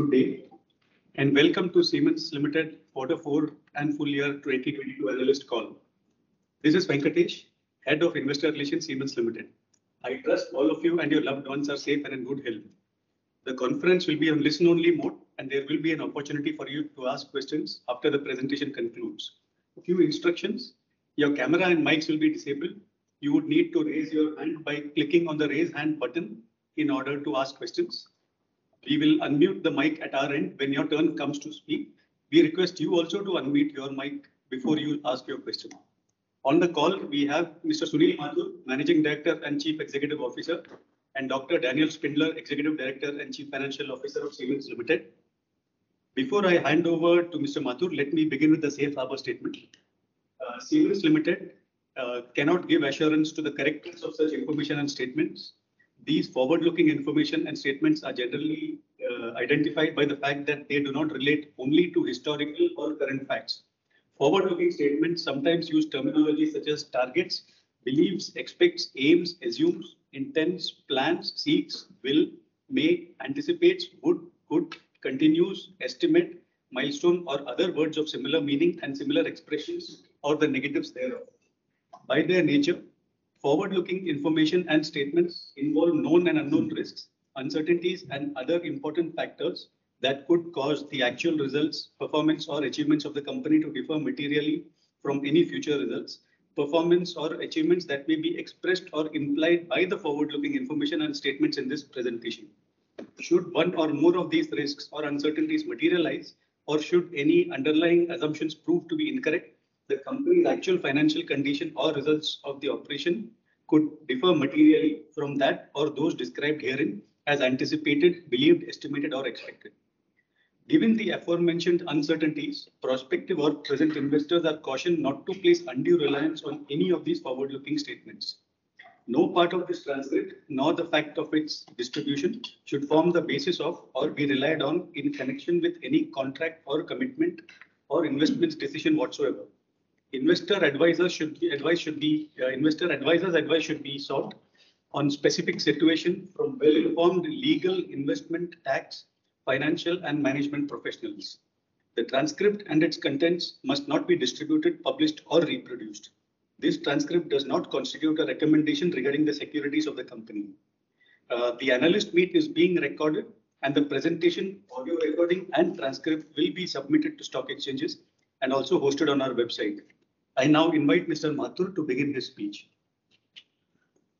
Good day and welcome to Siemens Limited Quarter 4 and Full Year 2022 Analyst Call. This is Venkatesh, Head of Investor Relations at Siemens Limited. I trust all of you and your loved ones are safe and in good health. The conference will be on listen-only mode, and there will be an opportunity for you to ask questions after the presentation concludes. A few instructions: your camera and mics will be disabled. You would need to raise your hand by clicking on the raise hand button in order to ask questions. We will unmute the mic at our end when your turn comes to speak. We request you also to unmute your mic before you ask your question. On the call, we have Mr. Sunil Mathur, Managing Director and Chief Executive Officer, and Dr. Daniel Spindler, Executive Director and Chief Financial Officer of Siemens Limited. Before I hand over to Mr. Mathur, let me begin with the safe harbor statement. Siemens Limited cannot give assurance to the correctness of such information and statements. These forward-looking information and statements are generally identified by the fact that they do not relate only to historical or current facts. Forward-looking statements sometimes use terminology such as targets, beliefs, expects, aims, assumes, intends, plans, seeks, will, may, anticipates, would, could, continues, estimate, milestone, or other words of similar meaning and similar expressions or the negatives thereof. By their nature, forward-looking information and statements involve known and unknown risks, uncertainties, and other important factors that could cause the actual results, performance, or achievements of the company to differ materially from any future results, performance, or achievements that may be expressed or implied by the forward-looking information and statements in this presentation. Should one or more of these risks or uncertainties materialize, or should any underlying assumptions prove to be incorrect, the company's actual financial condition or results of the operation could differ materially from that or those described herein as anticipated, believed, estimated, or expected. Given the aforementioned uncertainties, prospective or present investors are cautioned not to place undue reliance on any of these forward-looking statements. No part of this transcript, nor the fact of its distribution, should form the basis of or be relied on in connection with any contract or commitment or investment decision whatsoever. Investor advisors' advice should be sought on specific situations from well-informed legal, investment, tax, financial, and management professionals. The transcript and its contents must not be distributed, published, or reproduced. This transcript does not constitute a recommendation regarding the securities of the company. The analyst meet is being recorded, and the presentation, audio recording, and transcript will be submitted to stock exchanges and also hosted on our website. I now invite Mr. Mathur to begin his speech.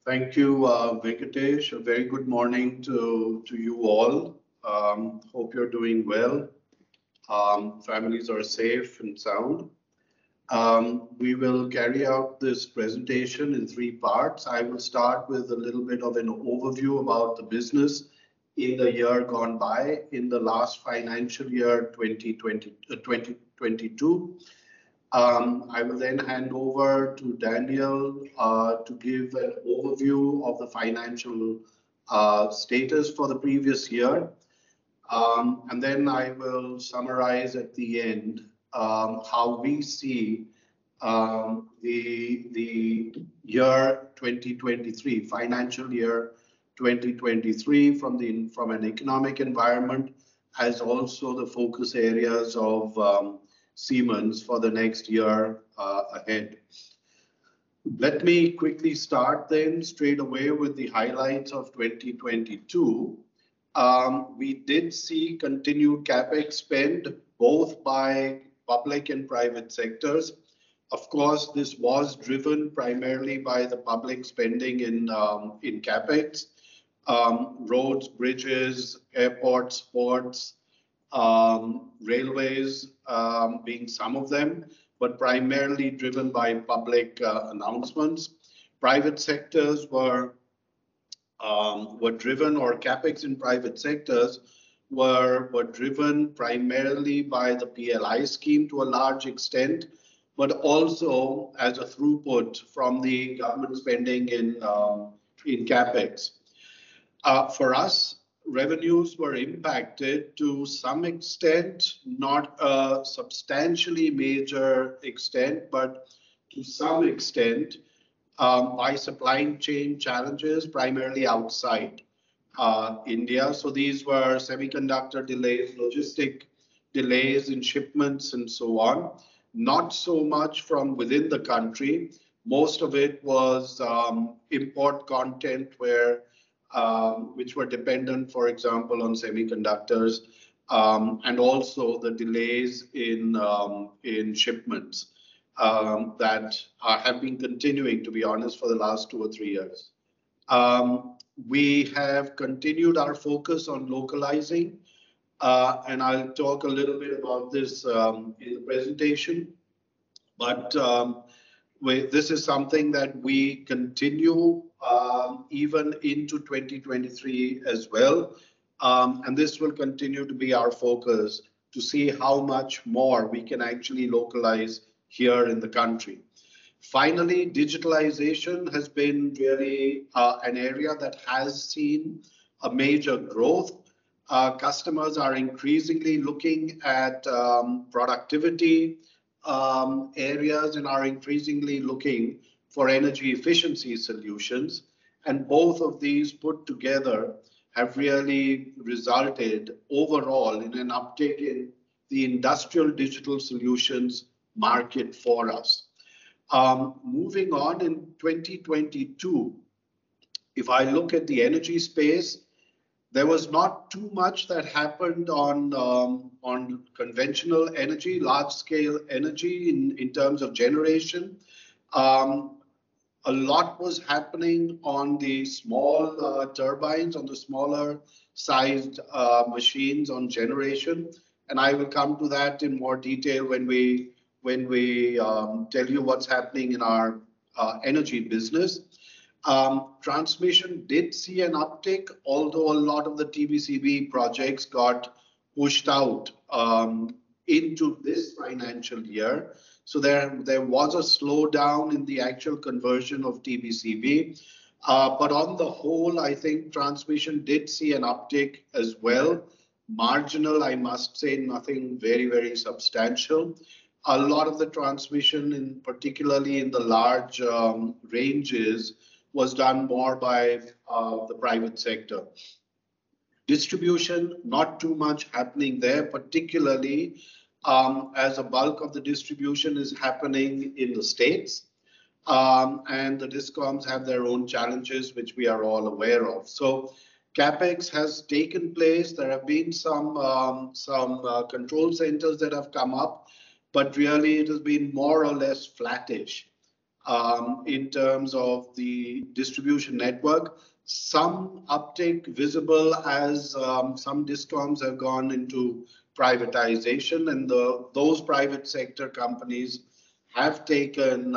Thank you, Venkatesh. A very good morning to you all. Hope you're doing well. Families are safe and sound. We will carry out this presentation in three parts. I will start with a little bit of an overview about the business in the year gone by, in the last financial year 2022. I will then hand over to Daniel to give an overview of the financial status for the previous year, and then I will summarize at the end how we see the year 2023, financial year 2023, from an economic environment as also the focus areas of Siemens for the next year ahead. Let me quickly start then straight away with the highlights of 2022. We did see continued CapEx spend both by public and private sectors. Of course, this was driven primarily by the public spending in CapEx: roads, bridges, airports, ports, railways being some of them, but primarily driven by public announcements. Private sectors were driven, or CapEx in private sectors were driven primarily by the PLI scheme to a large extent, but also as a throughput from the government spending in CapEx. For us, revenues were impacted to some extent, not a substantially major extent, but to some extent by supply chain challenges primarily outside India. So these were semiconductor delays, logistics delays in shipments, and so on. Not so much from within the country. Most of it was import content which were dependent, for example, on semiconductors, and also the delays in shipments that have been continuing, to be honest, for the last two or three years. We have continued our focus on localizing, and I'll talk a little bit about this in the presentation, but this is something that we continue even into 2023 as well, and this will continue to be our focus to see how much more we can actually localize here in the country. Finally, digitalization has been really an area that has seen a major growth. Customers are increasingly looking at productivity areas and are increasingly looking for energy efficiency solutions, and both of these put together have really resulted overall in an uptake in the industrial digital solutions market for us. Moving on, in 2022, if I look at the energy space, there was not too much that happened on conventional energy, large-scale energy in terms of generation. A lot was happening on the small turbines, on the smaller-sized machines on generation. I will come to that in more detail when we tell you what's happening in our energy business. Transmission did see an uptake, although a lot of the TBCB projects got pushed out into this financial year. So there was a slowdown in the actual conversion of TBCB. But on the whole, I think transmission did see an uptake as well. Marginal, I must say, nothing very, very substantial. A lot of the transmission, particularly in the large ranges, was done more by the private sector. Distribution, not too much happening there, particularly as a bulk of the distribution is happening in the States. And the DISCOMs have their own challenges, which we are all aware of. So CapEx has taken place. There have been some control centers that have come up, but really, it has been more or less flattish in terms of the distribution network. Some uptake visible as some DISCOMs have gone into privatization, and those private sector companies have taken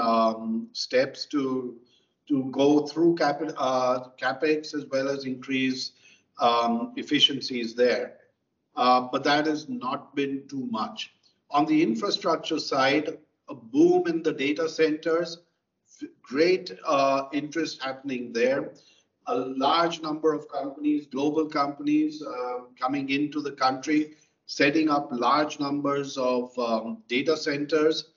steps to go through CapEx as well as increase efficiencies there. But that has not been too much. On the infrastructure side, a boom in the data centers, great interest happening there. A large number of companies, global companies, coming into the country, setting up large numbers of data centers.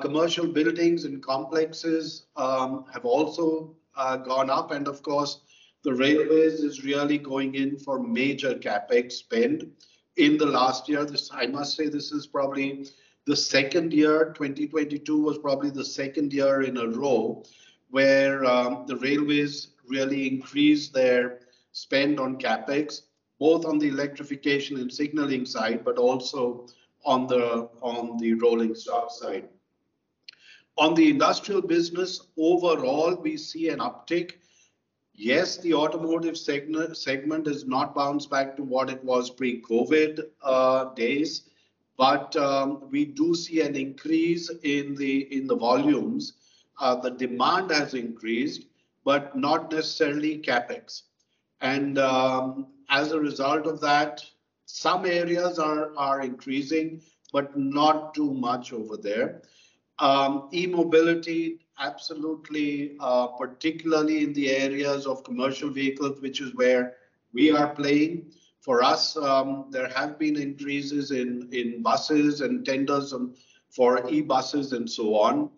Commercial buildings and complexes have also gone up. And of course, the railways is really going in for major CapEx spend in the last year. I must say this is probably the second year. 2022 was probably the second year in a row where the railways really increased their spend on CapEx, both on the electrification and signaling side, but also on the rolling stock side. On the industrial business overall, we see an uptake. Yes, the automotive segment has not bounced back to what it was pre-COVID days, but we do see an increase in the volumes. The demand has increased, but not necessarily CapEx, and as a result of that, some areas are increasing, but not too much over there. eMobility, absolutely, particularly in the areas of commercial vehicles, which is where we are playing. For us, there have been increases in buses and tenders for e-buses and so on,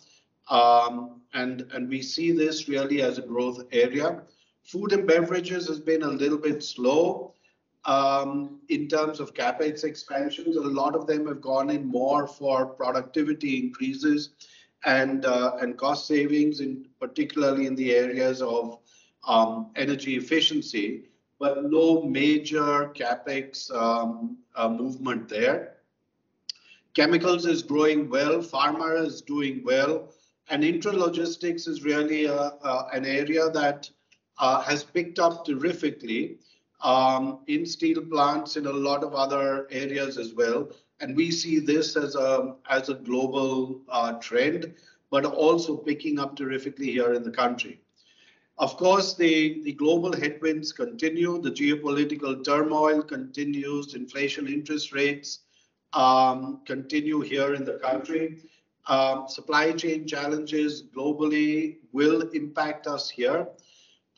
and we see this really as a growth area. Food and beverages has been a little bit slow in terms of CapEx expansions. A lot of them have gone in more for productivity increases and cost savings, particularly in the areas of energy efficiency, but no major CapEx movement there. Chemicals is growing well. Pharma is doing well. Intralogistics is really an area that has picked up terrifically in steel plants and a lot of other areas as well. We see this as a global trend, but also picking up terrifically here in the country. Of course, the global headwinds continue. The geopolitical turmoil continues. Inflation interest rates continue here in the country. Supply chain challenges globally will impact us here.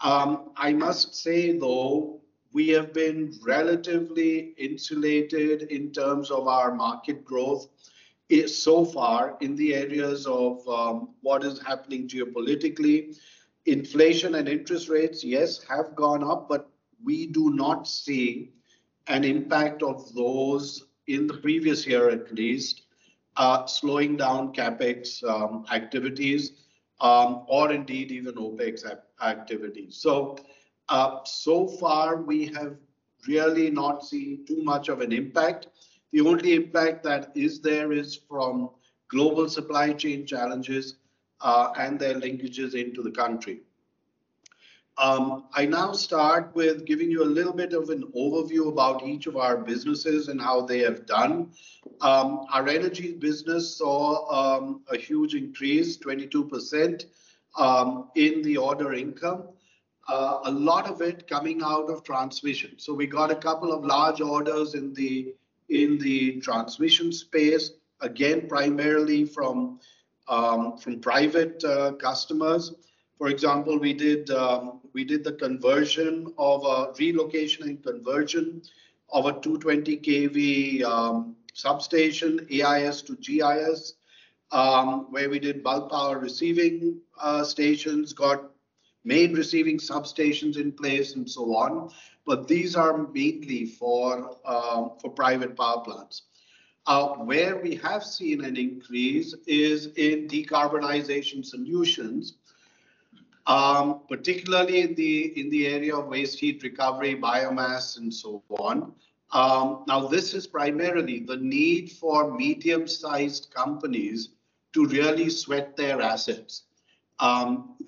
I must say, though, we have been relatively insulated in terms of our market growth so far in the areas of what is happening geopolitically. Inflation and interest rates, yes, have gone up, but we do not see an impact of those in the previous year at least, slowing down CapEx activities or indeed even OpEx activity. So far, we have really not seen too much of an impact. The only impact that is there is from global supply chain challenges and their linkages into the country. I now start with giving you a little bit of an overview about each of our businesses and how they have done. Our energy business saw a huge increase, 22% in the order income, a lot of it coming out of transmission. So we got a couple of large orders in the transmission space, again, primarily from private customers. For example, we did the relocation and conversion of a 220 kV substation, AIS to GIS, where we did bulk power receiving stations, got main receiving substations in place, and so on. But these are mainly for private power plants. Where we have seen an increase is in decarbonization solutions, particularly in the area of waste heat recovery, biomass, and so on. Now, this is primarily the need for medium-sized companies to really sweat their assets.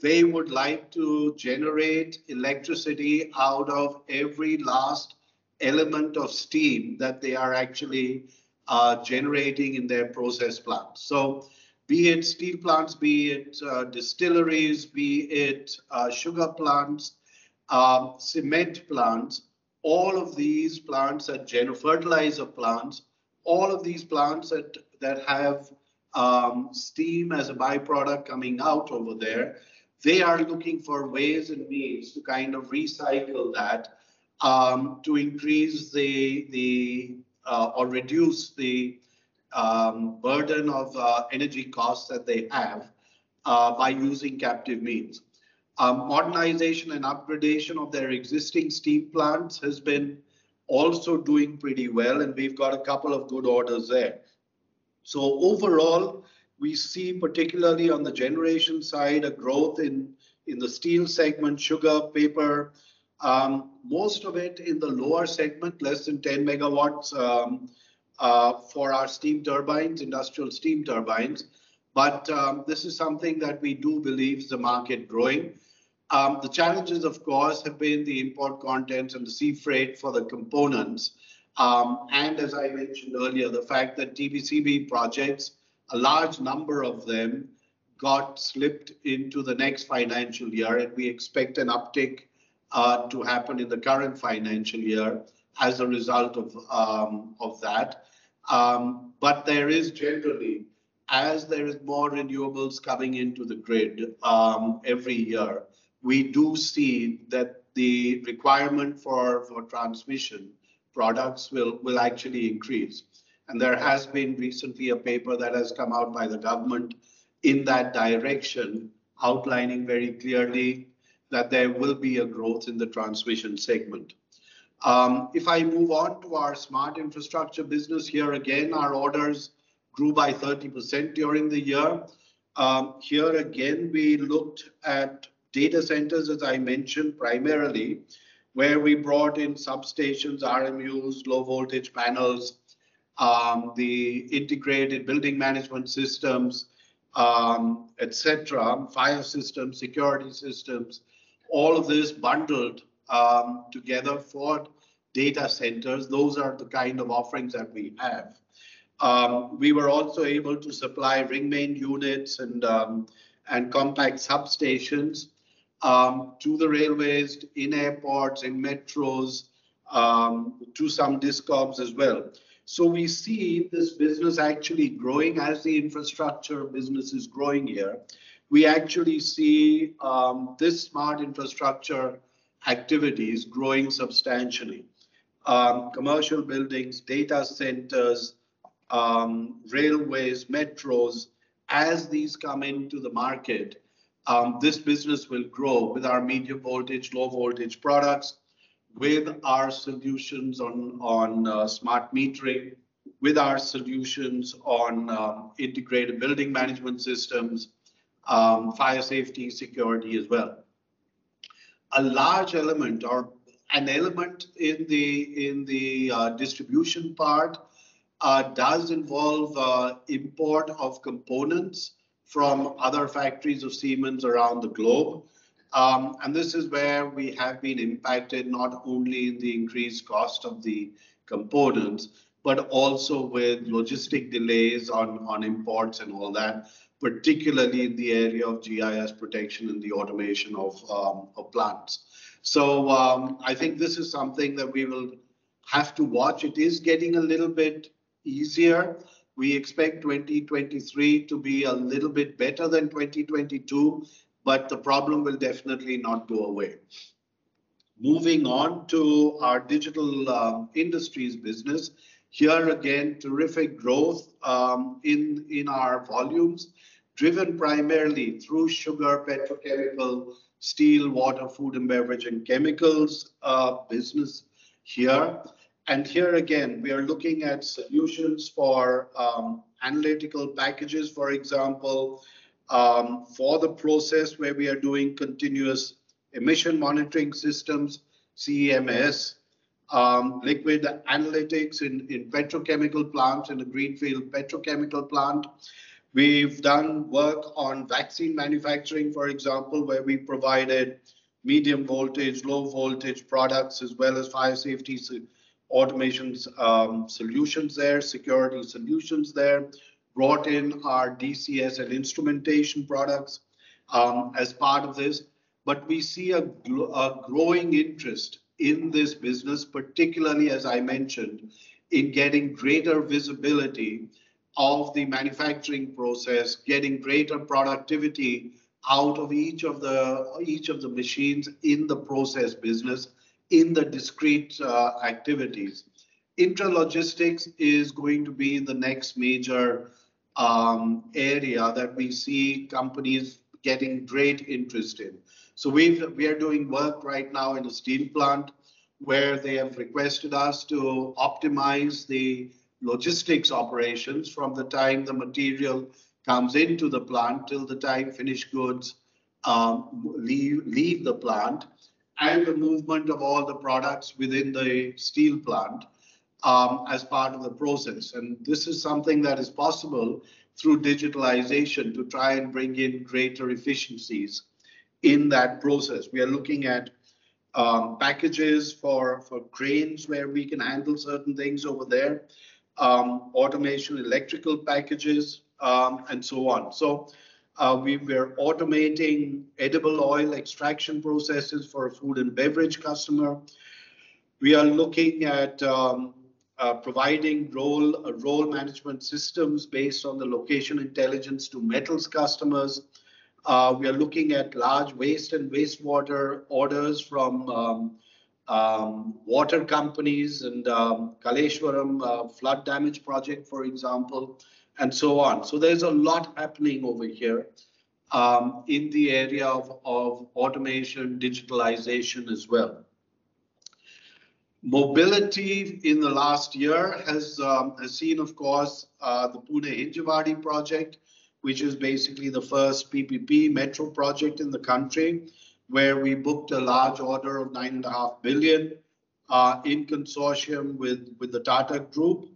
They would like to generate electricity out of every last element of steam that they are actually generating in their process plants. So be it steel plants, be it distilleries, be it sugar plants, cement plants, all of these plants are and fertilizer plants. All of these plants that have steam as a byproduct coming out over there, they are looking for ways and means to kind of recycle that to increase the or reduce the burden of energy costs that they have by using captive means. Modernization and upgradation of their existing steam plants has been also doing pretty well, and we've got a couple of good orders there. Overall, we see, particularly on the generation side, a growth in the steel segment, sugar, paper, most of it in the lower segment, less than 10 MW for our steam turbines, industrial steam turbines. But this is something that we do believe is the market growing. The challenges, of course, have been the import contents and the sea freight for the components. And as I mentioned earlier, the fact that TBCB projects, a large number of them, got slipped into the next financial year, and we expect an uptake to happen in the current financial year as a result of that. But there is generally, as there are more renewables coming into the grid every year, we do see that the requirement for transmission products will actually increase. There has been recently a paper that has come out by the government in that direction, outlining very clearly that there will be a growth in the transmission segment. If I move on to our Smart Infrastructure business, here again, our orders grew by 30% during the year. Here again, we looked at data centers, as I mentioned, primarily, where we brought in substations, RMUs, low-voltage panels, the integrated building management systems, etc., fire systems, security systems, all of this bundled together for data centers. Those are the kind of offerings that we have. We were also able to supply ring main units and compact substations to the railways, in airports, in metros, to some districts as well. So we see this business actually growing as the infrastructure business is growing here. We actually see this Smart Infrastructure activities growing substantially. Commercial buildings, data centers, railways, metros, as these come into the market, this business will grow with our medium-voltage, low-voltage products, with our solutions on smart metering, with our solutions on integrated building management systems, fire safety, security as well. A large element or an element in the distribution part does involve import of components from other factories of Siemens around the globe, and this is where we have been impacted, not only in the increased cost of the components, but also with logistical delays on imports and all that, particularly in the area of GIS protection and the automation of plants, so I think this is something that we will have to watch. It is getting a little bit easier. We expect 2023 to be a little bit better than 2022, but the problem will definitely not go away. Moving on to our Digital Industries business, here again, terrific growth in our volumes, driven primarily through sugar, petrochemical, steel, water, food and beverage, and chemicals business here, and here again, we are looking at solutions for analytical packages, for example, for the process where we are doing Continuous Emission Monitoring Systems, CEMS, liquid analytics in petrochemical plants and the greenfield petrochemical plant. We've done work on vaccine manufacturing, for example, where we provided medium-voltage, low-voltage products as well as fire safety automation solutions there, security solutions there, brought in our DCS and instrumentation products as part of this, but we see a growing interest in this business, particularly, as I mentioned, in getting greater visibility of the manufacturing process, getting greater productivity out of each of the machines in the process business in the discrete activities. Intralogistics is going to be the next major area that we see companies getting great interest in. So we are doing work right now in a steel plant where they have requested us to optimize the logistics operations from the time the material comes into the plant till the time finished goods leave the plant and the movement of all the products within the steel plant as part of the process. And this is something that is possible through digitalization to try and bring in greater efficiencies in that process. We are looking at packages for grains where we can handle certain things over there, automation, electrical packages, and so on. So we are automating edible oil extraction processes for a food and beverage customer. We are looking at providing role management systems based on the location intelligence to metals customers. We are looking at large waste and wastewater orders from water companies and Kaleshwaram flood damage project, for example, and so on. So there's a lot happening over here in the area of automation, digitalization as well. Mobility in the last year has seen, of course, the Pune-Hinjewadi project, which is basically the first PPP metro project in the country where we booked a large order of 9.5 billion in consortium with the Tata Group.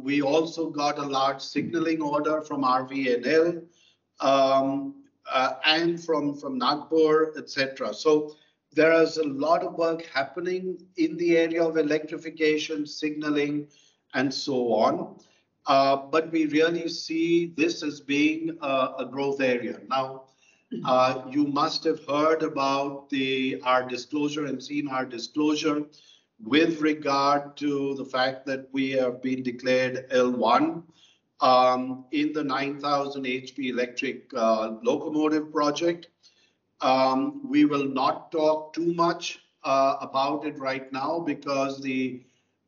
We also got a large signaling order from RVNL and from Nagpur, etc. So there is a lot of work happening in the area of electrification, signaling, and so on. But we really see this as being a growth area. Now, you must have heard about our disclosure and seen our disclosure with regard to the fact that we have been declared L1 in the 9,000 HP electric locomotive project. We will not talk too much about it right now because the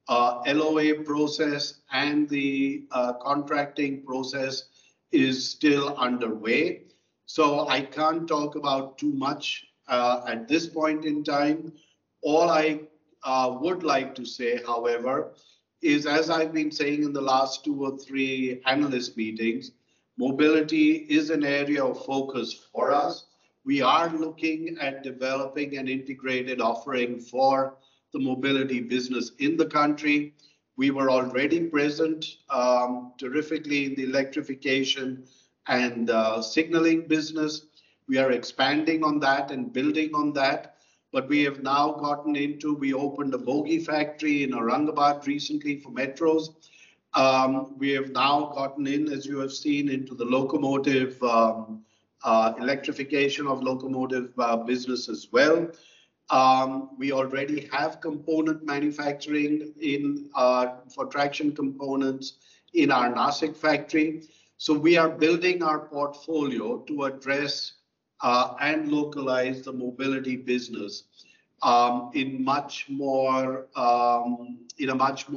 LOA process and the contracting process is still underway. So I can't talk about too much at this point in time. All I would like to say, however, is, as I've been saying in the last two or three analyst meetings, mobility is an area of focus for us. We are looking at developing an integrated offering for the Mobility business in the country. We were already present in the electrification and signaling business. We are expanding on that and building on that. But we have now gotten into we opened a bogie factory in Aurangabad recently for metros. We have now gotten in, as you have seen, into the locomotive electrification of locomotive business as well. We already have component manufacturing for traction components in our Nashik factory. So we are building our portfolio to address and localize the Mobility business in a much more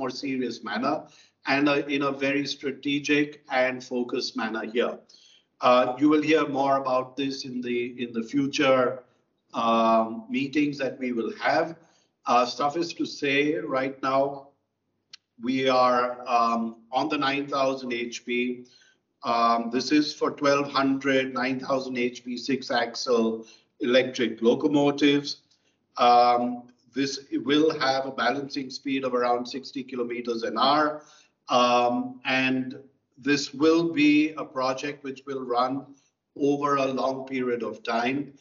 serious manner and in a very strategic and focused manner here. You will hear more about this in the future meetings that we will have. Suffice to say right now, we are on the 9,000 HP. This is for 1,200 9,000 HP 6-axle electric locomotives. This will have a balancing speed of around 60 km an hour, and this will be a project which will run over a long period of time.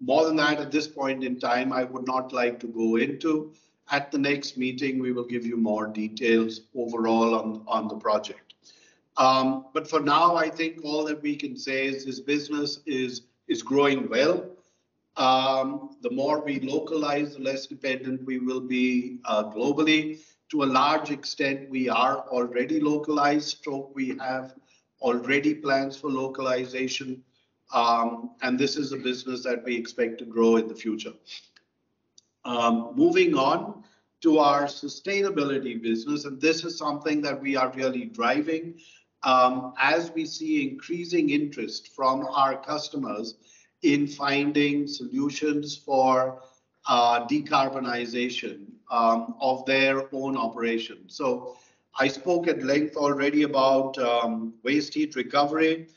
More than that, at this point in time, I would not like to go into. At the next meeting, we will give you more details overall on the project, but for now, I think all that we can say is this business is growing well. The more we localize, the less dependent we will be globally. To a large extent, we are already localized. We have already plans for localization. And this is a business that we expect to grow in the future. Moving on to our sustainability business, and this is something that we are really driving as we see increasing interest from our customers in finding solutions for decarbonization of their own operations. So I spoke at length already about waste heat recovery,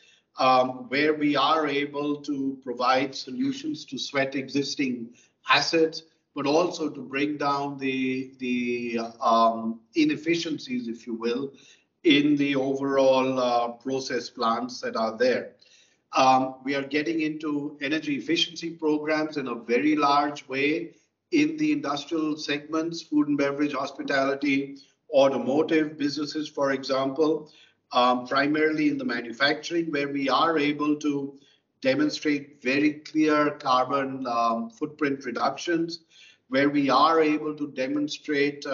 where we are able to provide solutions to sweat existing assets, but also to bring down the inefficiencies, if you will, in the overall process plants that are there. We are getting into energy efficiency programs in a very large way in the industrial segments, food and beverage, hospitality, automotive businesses, for example, primarily in the manufacturing, where we are able to demonstrate very clear carbon footprint reductions, where we are able to demonstrate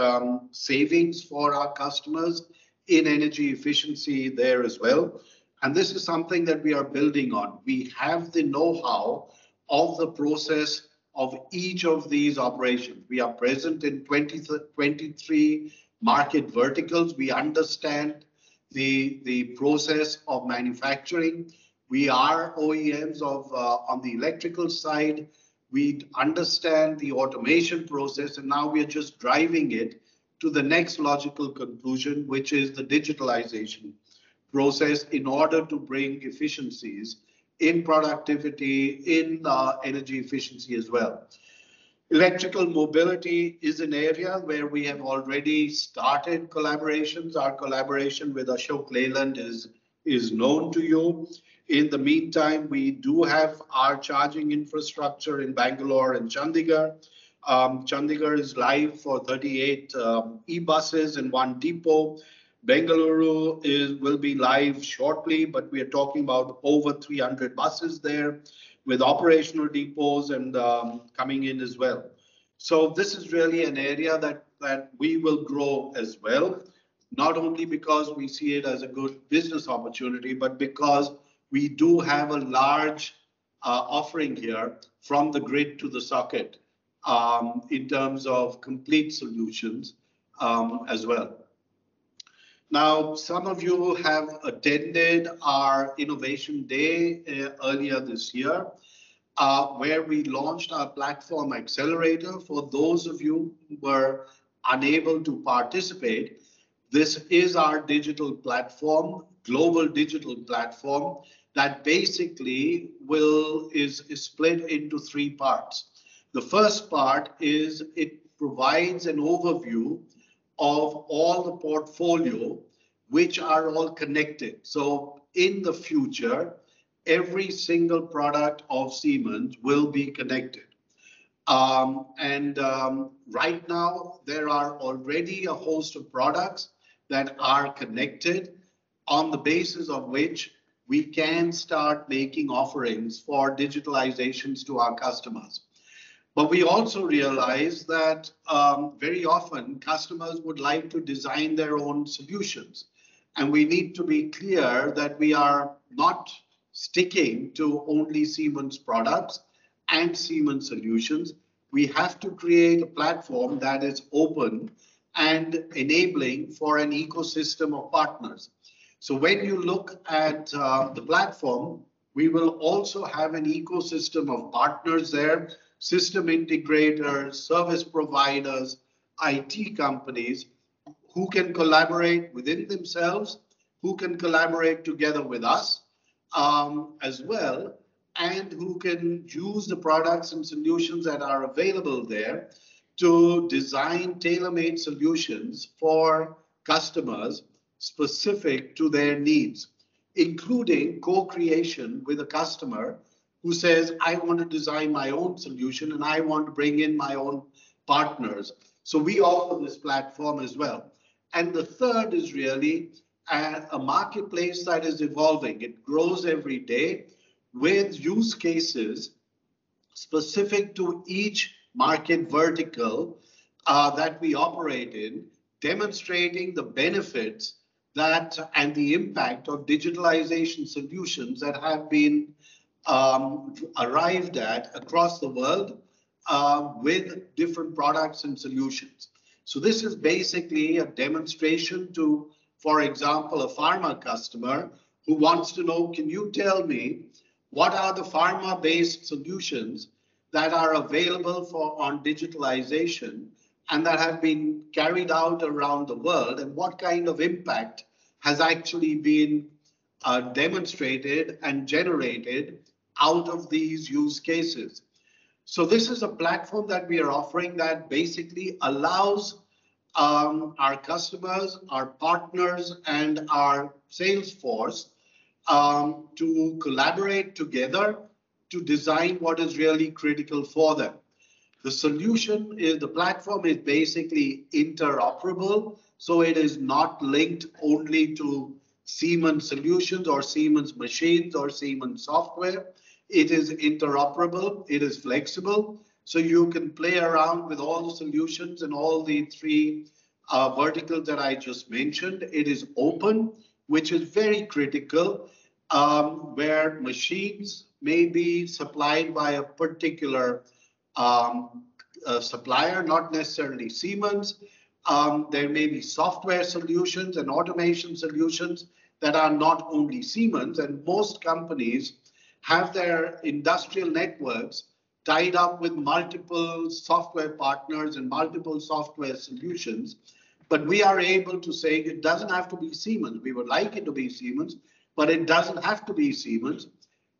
savings for our customers in energy efficiency there as well. And this is something that we are building on. We have the know-how of the process of each of these operations. We are present in 23 market verticals. We understand the process of manufacturing. We are OEMs on the electrical side. We understand the automation process. And now we are just driving it to the next logical conclusion, which is the digitalization process in order to bring efficiencies in productivity, in energy efficiency as well. Electrical mobility is an area where we have already started collaborations. Our collaboration with Ashok Leyland is known to you. In the meantime, we do have our charging infrastructure in Bengaluru and Chandigarh. Chandigarh is live for 38 e-buses and one depot. Bengaluru will be live shortly, but we are talking about over 300 buses there with operational depots and coming in as well. So this is really an area that we will grow as well, not only because we see it as a good business opportunity, but because we do have a large offering here from the grid to the socket in terms of complete solutions as well. Now, some of you have attended our Innovation Day earlier this year, where we launched our Xcelerator. For those of you who were unable to participate, this is our digital platform, global digital platform that basically is split into three parts. The first part is it provides an overview of all the portfolio, which are all connected. So in the future, every single product of Siemens will be connected. And right now, there are already a host of products that are connected on the basis of which we can start making offerings for digitalizations to our customers. But we also realize that very often, customers would like to design their own solutions. And we need to be clear that we are not sticking to only Siemens products and Siemens solutions. We have to create a platform that is open and enabling for an ecosystem of partners. So when you look at the platform, we will also have an ecosystem of partners there, system integrators, service providers, IT companies who can collaborate within themselves, who can collaborate together with us as well, and who can use the products and solutions that are available there to design tailor-made solutions for customers specific to their needs, including co-creation with a customer who says, "I want to design my own solution, and I want to bring in my own partners." So we offer this platform as well. And the third is really a marketplace that is evolving. It grows every day with use cases specific to each market vertical that we operate in, demonstrating the benefits and the impact of digitalization solutions that have been arrived at across the world with different products and solutions. So this is basically a demonstration to, for example, a pharma customer who wants to know, "Can you tell me what are the pharma-based solutions that are available on digitalization and that have been carried out around the world, and what kind of impact has actually been demonstrated and generated out of these use cases?" So this is a platform that we are offering that basically allows our customers, our partners, and our salesforce to collaborate together to design what is really critical for them. The solution is the platform is basically interoperable. So it is not linked only to Siemens solutions or Siemens machines or Siemens software. It is interoperable. It is flexible. So you can play around with all the solutions and all the three verticals that I just mentioned. It is open, which is very critical where machines may be supplied by a particular supplier, not necessarily Siemens. There may be software solutions and automation solutions that are not only Siemens, and most companies have their industrial networks tied up with multiple software partners and multiple software solutions, but we are able to say it doesn't have to be Siemens. We would like it to be Siemens, but it doesn't have to be Siemens.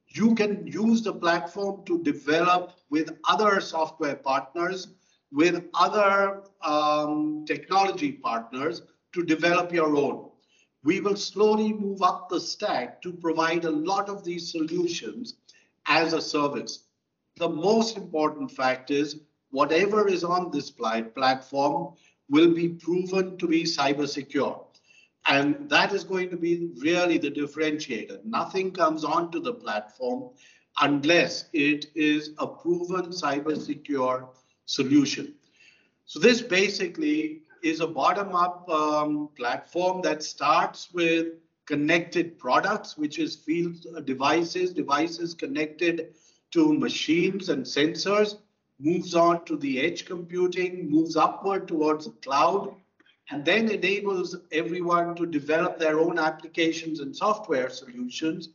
You can use the platform to develop with other software partners, with other technology partners to develop your own. We will slowly move up the stack to provide a lot of these solutions as a service. The most important fact is whatever is on this platform will be proven to be cybersecure, and that is going to be really the differentiator. Nothing comes onto the platform unless it is a proven cybersecure solution. This basically is a bottom-up platform that starts with connected products, which is field devices, devices connected to machines and sensors, moves on to the edge computing, moves upward towards the cloud, and then enables everyone to develop their own applications and software solutions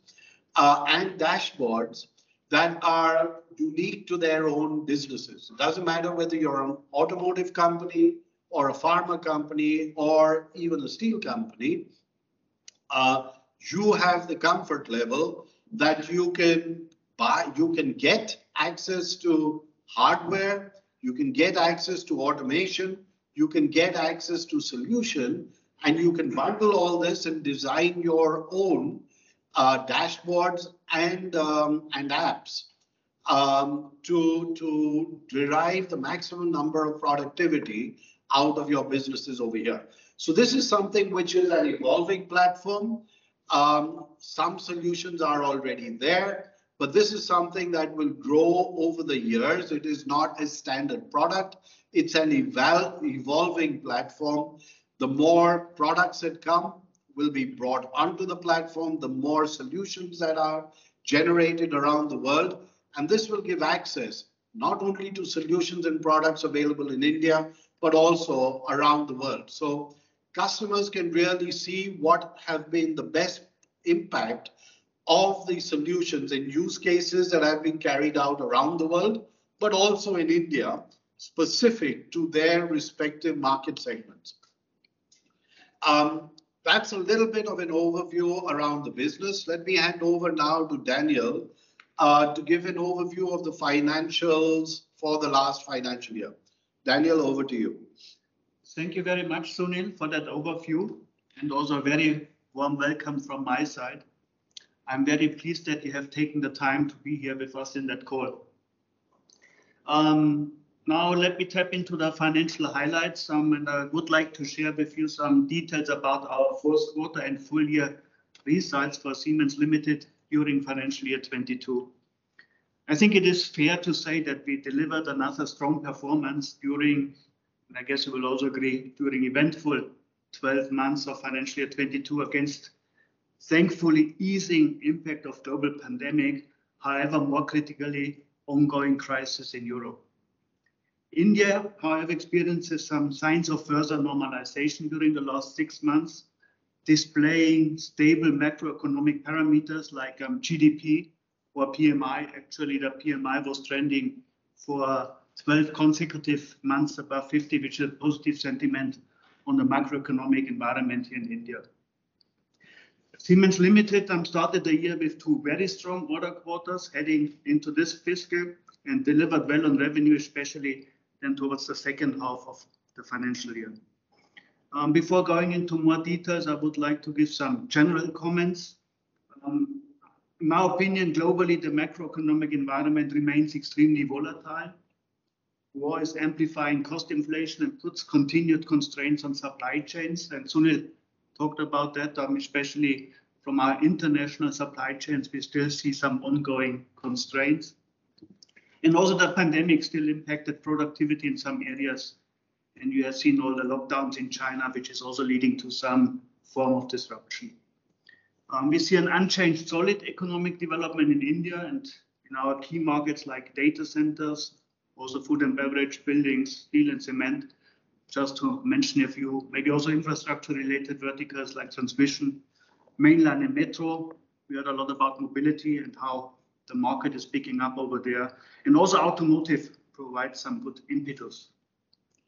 and dashboards that are unique to their own businesses. It doesn't matter whether you're an automotive company or a pharma company or even a steel company. You have the comfort level that you can get access to hardware. You can get access to automation. You can get access to solution. And you can bundle all this and design your own dashboards and apps to derive the maximum number of productivity out of your businesses over here. This is something which is an evolving platform. Some solutions are already there, but this is something that will grow over the years. It is not a standard product. It's an evolving platform. The more products that come will be brought onto the platform, the more solutions that are generated around the world. And this will give access not only to solutions and products available in India, but also around the world. So customers can really see what have been the best impact of the solutions and use cases that have been carried out around the world, but also in India specific to their respective market segments. That's a little bit of an overview around the business. Let me hand over now to Daniel to give an overview of the financials for the last financial year. Daniel, over to you. Thank you very much, Sunil, for that overview and also a very warm welcome from my side. I'm very pleased that you have taken the time to be here with us in that call. Now, let me tap into the financial highlights. I would like to share with you some details about our fourth quarter and full year results for Siemens Limited during financial year 2022. I think it is fair to say that we delivered another strong performance during, and I guess you will also agree, during eventful 12 months of financial year 2022 against, thankfully, easing impact of global pandemic. However, more critically, ongoing crisis in Europe. India, however, experiences some signs of further normalization during the last six months, displaying stable macroeconomic parameters like GDP or PMI. Actually, the PMI was trending for 12 consecutive months above 50, which is a positive sentiment on the macroeconomic environment here in India. Siemens Limited started the year with two very strong quarters, heading into this fiscal and delivered well on revenue, especially then towards the second half of the financial year. Before going into more details, I would like to give some general comments. In my opinion, globally, the macroeconomic environment remains extremely volatile. War is amplifying cost inflation and puts continued constraints on supply chains, and Sunil talked about that, especially from our international supply chains. We still see some ongoing constraints, and also, the pandemic still impacted productivity in some areas, and you have seen all the lockdowns in China, which is also leading to some form of disruption. We see an unchanged solid economic development in India and in our key markets like data centers, also food and beverage buildings, steel and cement, just to mention a few, maybe also infrastructure-related verticals like transmission, mainline, and metro. We heard a lot about mobility and how the market is picking up over there. And also, automotive provides some good impetus.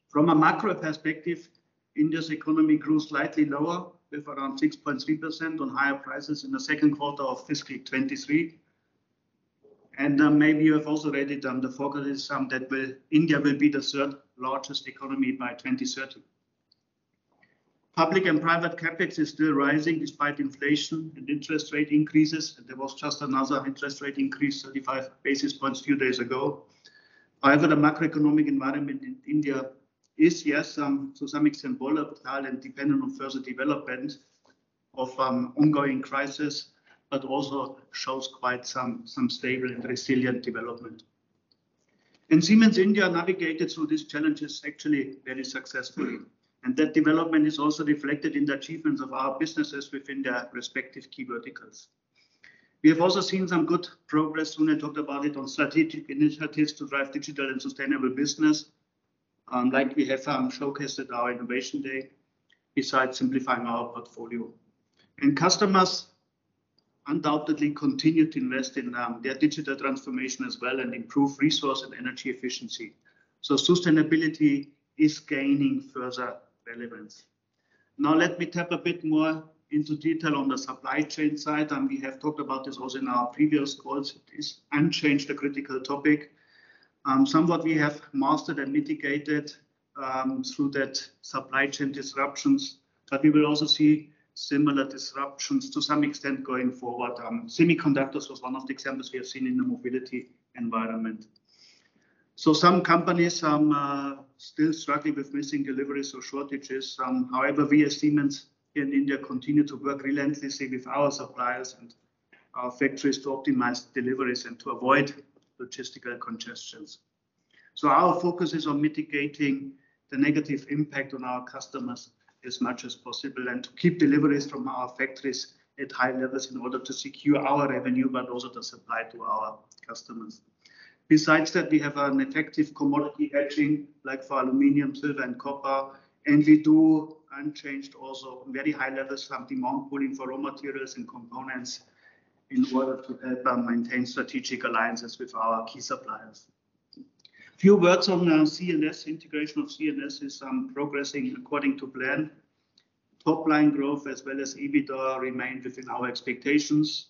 From a macro perspective, India's economy grew slightly lower with around 6.3% on higher prices in the second quarter of fiscal 2023. And maybe you have also read it on the focus that India will be the third largest economy by 2030. Public and private CapEx is still rising despite inflation and interest rate increases. And there was just another interest rate increase, 35 basis points a few days ago. However, the macroeconomic environment in India is, yes, to some extent volatile and dependent on further development of ongoing crisis, but also shows quite some stable and resilient development. And Siemens India navigated through these challenges actually very successfully. And that development is also reflected in the achievements of our businesses within their respective key verticals. We have also seen some good progress. Sunil talked about it on strategic initiatives to drive digital and sustainable business, like we have showcased at our Innovation Day besides simplifying our portfolio, and customers undoubtedly continue to invest in their digital transformation as well and improve resource and energy efficiency, so sustainability is gaining further relevance. Now, let me tap a bit more into detail on the supply chain side, and we have talked about this also in our previous calls. It is unchanged, a critical topic. Some of what we have mastered and mitigated through that supply chain disruptions, but we will also see similar disruptions to some extent going forward. Semiconductors was one of the examples we have seen in the mobility environment, so some companies still struggle with missing deliveries or shortages. However, we as Siemens here in India continue to work relentlessly with our suppliers and our factories to optimize deliveries and to avoid logistical congestions, so our focus is on mitigating the negative impact on our customers as much as possible and to keep deliveries from our factories at high levels in order to secure our revenue, but also the supply to our customers. Besides that, we have an effective commodity hedging like for aluminum, silver, and copper, and we do unchanged also very high levels from demand pooling for raw materials and components in order to help maintain strategic alliances with our key suppliers. Few words on C&S. Integration of C&S is progressing according to plan. Top-line growth as well as EBITDA remain within our expectations,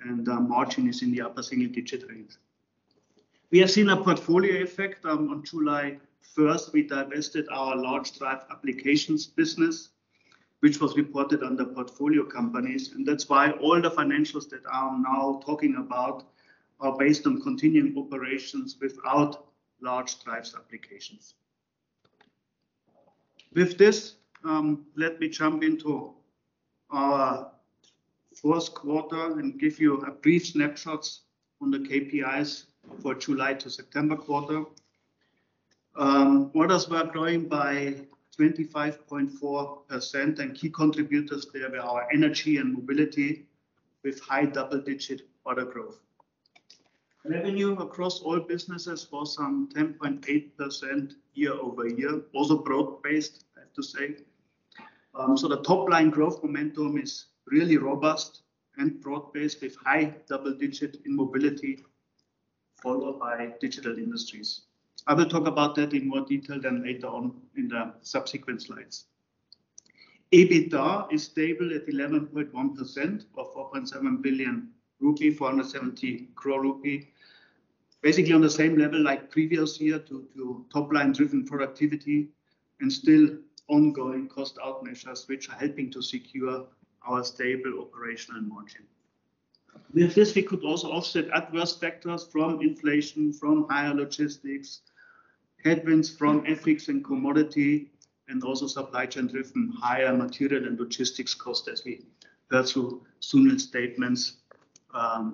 and margin is in the upper single-digit range. We have seen a portfolio effect. On July 1st, we divested our Large Drive Applications business, which was reported under Portfolio Companies, and that's why all the financials that I'm now talking about are based on continuing operations without large drives applications. With this, let me jump into our fourth quarter and give you a brief snapshot on the KPIs for July to September quarter. Orders were growing by 25.4%, and key contributors there were our energy and mobility with high double-digit order growth. Revenue across all businesses was some 10.8% year-over-year, also broad-based, I have to say, so the top-line growth momentum is really robust and broad-based with high double-digit in mobility followed by Digital Industries. I will talk about that in more detail then later on in the subsequent slides. EBITDA is stable at 11.1% or 4.7 billion rupee, 470 crore rupee. Basically on the same level like previous year to top-line driven productivity and still ongoing cost-out measures, which are helping to secure our stable operational margin. With this, we could also offset adverse factors from inflation, from higher logistics, headwinds from FX and commodity, and also supply chain-driven higher material and logistics costs as we heard through Sunil's statements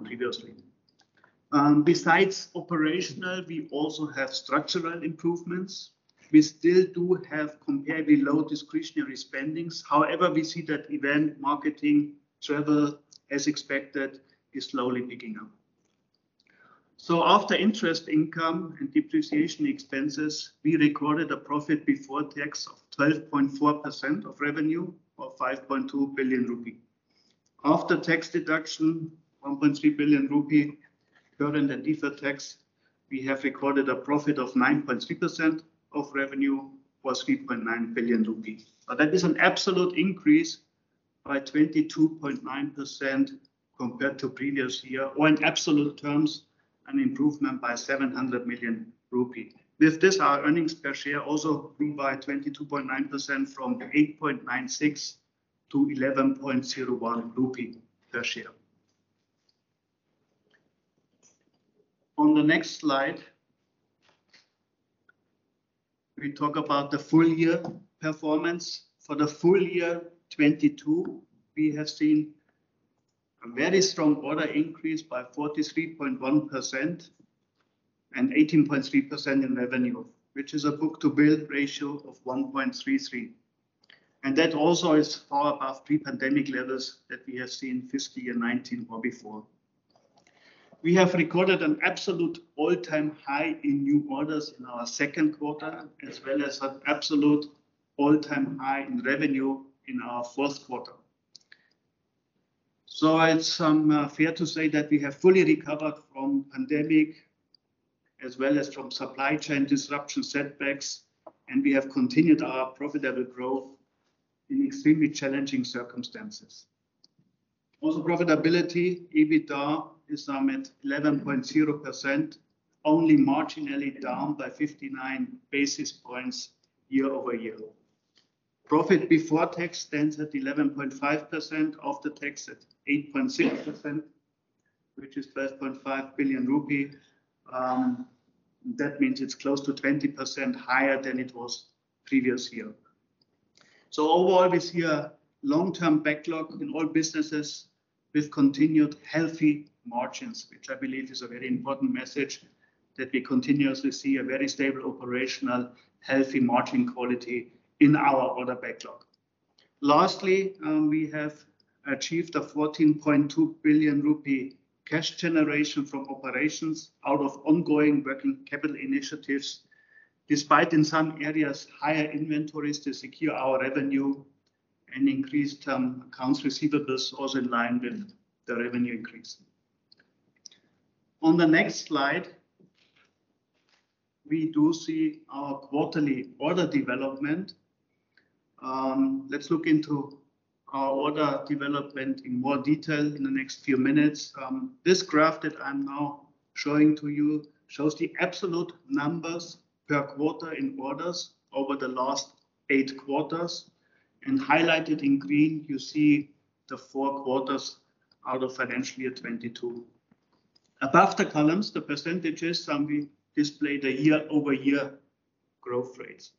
previously. Besides operational, we also have structural improvements. We still do have comparatively low discretionary spending. However, we see that events, marketing, travel, as expected, is slowly picking up. So after interest income and depreciation expenses, we recorded a profit before tax of 12.4% of revenue or 5.2 billion rupee. After tax deduction, 1.3 billion rupee current and deferred tax, we have recorded a profit of 9.3% of revenue or 3.9 billion rupees. But that is an absolute increase by 22.9% compared to previous year or in absolute terms, an improvement by 700 million rupee. With this, our earnings per share also grew by 22.9% from 8.96-11.01 rupee per share. On the next slide, we talk about the full year performance. For the full year 2022, we have seen a very strong order increase by 43.1% and 18.3% in revenue, which is a book-to-bill ratio of 1.33. And that also is far above pre-pandemic levels that we have seen fiscal year 2019 or before. We have recorded an absolute all-time high in new orders in our second quarter, as well as an absolute all-time high in revenue in our fourth quarter. It's fair to say that we have fully recovered from pandemic as well as from supply chain disruption setbacks, and we have continued our profitable growth in extremely challenging circumstances. Also, profitability, EBITDA is at 11.0%, only marginally down by 59 basis points year-over-year. Profit before tax stands at 11.5%, after tax at 8.6%, which is 12.5 billion rupees. That means it's close to 20% higher than it was previous year. So overall, we see a long-term backlog in all businesses with continued healthy margins, which I believe is a very important message that we continuously see a very stable operational healthy margin quality in our order backlog. Lastly, we have achieved a 14.2 billion rupee cash generation from operations out of ongoing working capital initiatives, despite in some areas higher inventories to secure our revenue and increased accounts receivables also in line with the revenue increase. On the next slide, we do see our quarterly order development. Let's look into our order development in more detail in the next few minutes. This graph that I'm now showing to you shows the absolute numbers per quarter in orders over the last eight quarters, and highlighted in green, you see the four quarters out of financial year 2022. Above the columns, the percentages, we display the year-over-year growth rates,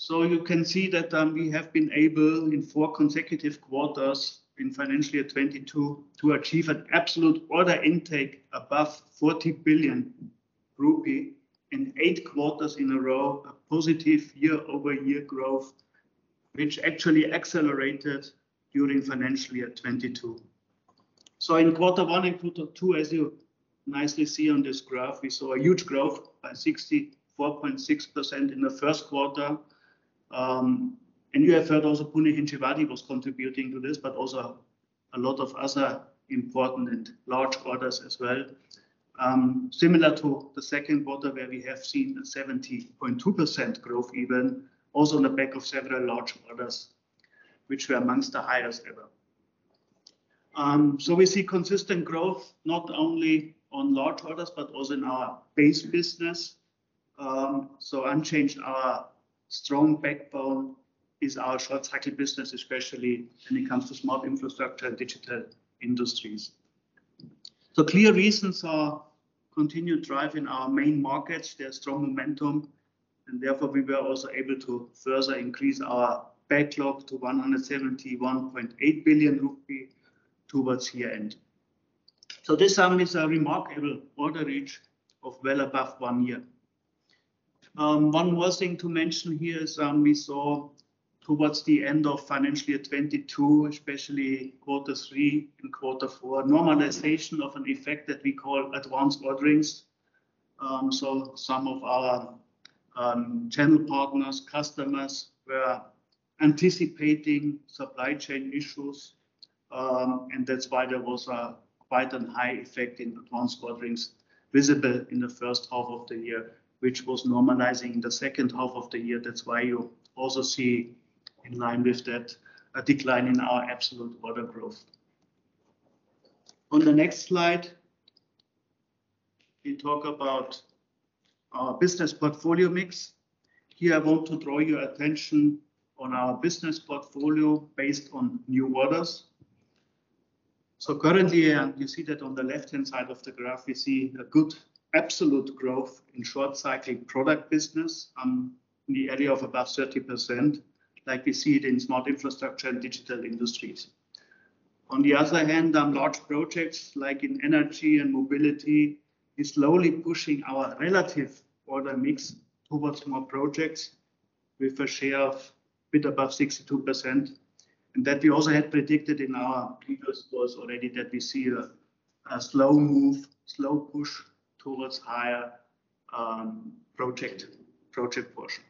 so you can see that we have been able in four consecutive quarters in financial year 2022 to achieve an absolute order intake above 40 billion rupee in eight quarters in a row, a positive year-over-year growth, which actually accelerated during financial year 2022, so in quarter one and quarter two, as you nicely see on this graph, we saw a huge growth by 64.6% in the first quarter. You have heard also Pune-Hinjewadi was contributing to this, but also a lot of other important and large orders as well. Similar to the second quarter, where we have seen a 70.2% growth even, also on the back of several large orders, which were amongst the highest ever. We see consistent growth not only on large orders, but also in our base business. Unchanged, our strong backbone is our short-cycle business, especially when it comes to Smart Infrastructure and Digital Industries. Clear reasons are continued drive in our main markets. There is strong momentum. Therefore, we were also able to further increase our backlog to 171.8 billion rupee towards year-end. This is a remarkable order reach of well above one year. One more thing to mention here is we saw towards the end of financial year 2022, especially quarter three and quarter four, normalization of an effect that we call advanced orderings. So some of our channel partners, customers were anticipating supply chain issues. And that's why there was quite a high effect in advanced orderings visible in the first half of the year, which was normalizing in the second half of the year. That's why you also see in line with that a decline in our absolute order growth. On the next slide, we talk about our business portfolio mix. Here, I want to draw your attention on our business portfolio based on new orders. So currently, you see that on the left-hand side of the graph, we see a good absolute growth in short-cycling product business in the area of about 30%, like we see it in Smart Infrastructure and Digital Industries. On the other hand, large projects like in energy and mobility are slowly pushing our relative order mix towards more projects with a share of a bit above 62%. And that we also had predicted in our previous calls already that we see a slow move, slow push towards higher project portion.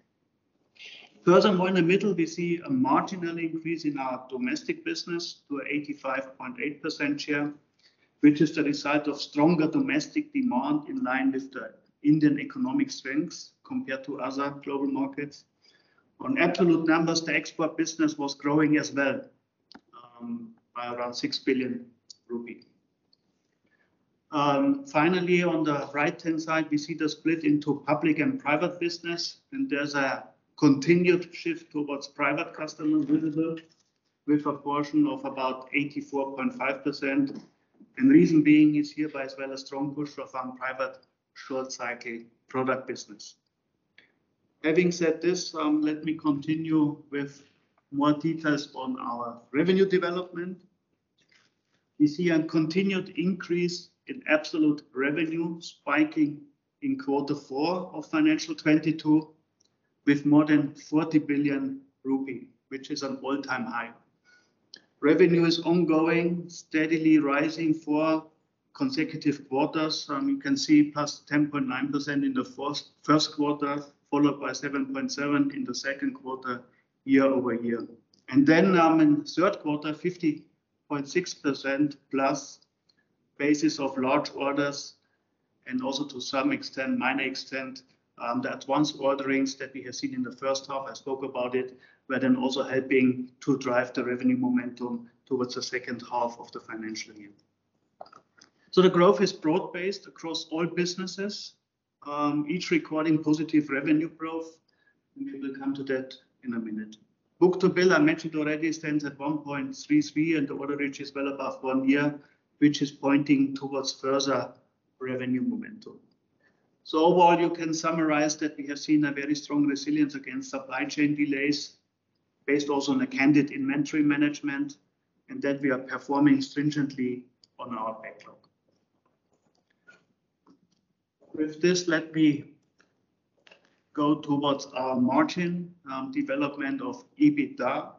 Furthermore, in the middle, we see a marginal increase in our domestic business to 85.8% share, which is the result of stronger domestic demand in line with the Indian economic strength compared to other global markets. On absolute numbers, the export business was growing as well by around 6 billion rupees. Finally, on the right-hand side, we see the split into public and private business. There's a continued shift towards private customers visible with a portion of about 84.5%. The reason being is hereby as well a strong push of our private short-cycling product business. Having said this, let me continue with more details on our revenue development. We see a continued increase in absolute revenue spiking in quarter four of financial 2022 with more than 40 billion rupee, which is an all-time high. Revenue is ongoing, steadily rising for consecutive quarters. You can see plus 10.9% in the first quarter, followed by 7.7% in the second quarter year-over-year. Then in the third quarter, 50.6%+, based on large orders and also to some extent the advanced orderings that we have seen in the first half. I spoke about it, but then also helping to drive the revenue momentum towards the second half of the financial year. So the growth is broad-based across all businesses, each recording positive revenue growth. And we will come to that in a minute. Book-to-bill, I mentioned already, stands at 1.33, and the order reach is well above one year, which is pointing towards further revenue momentum. So overall, you can summarize that we have seen a very strong resilience against supply chain delays based also on a candid inventory management, and that we are performing stringently on our backlog. With this, let me go towards our margin development of EBITDA.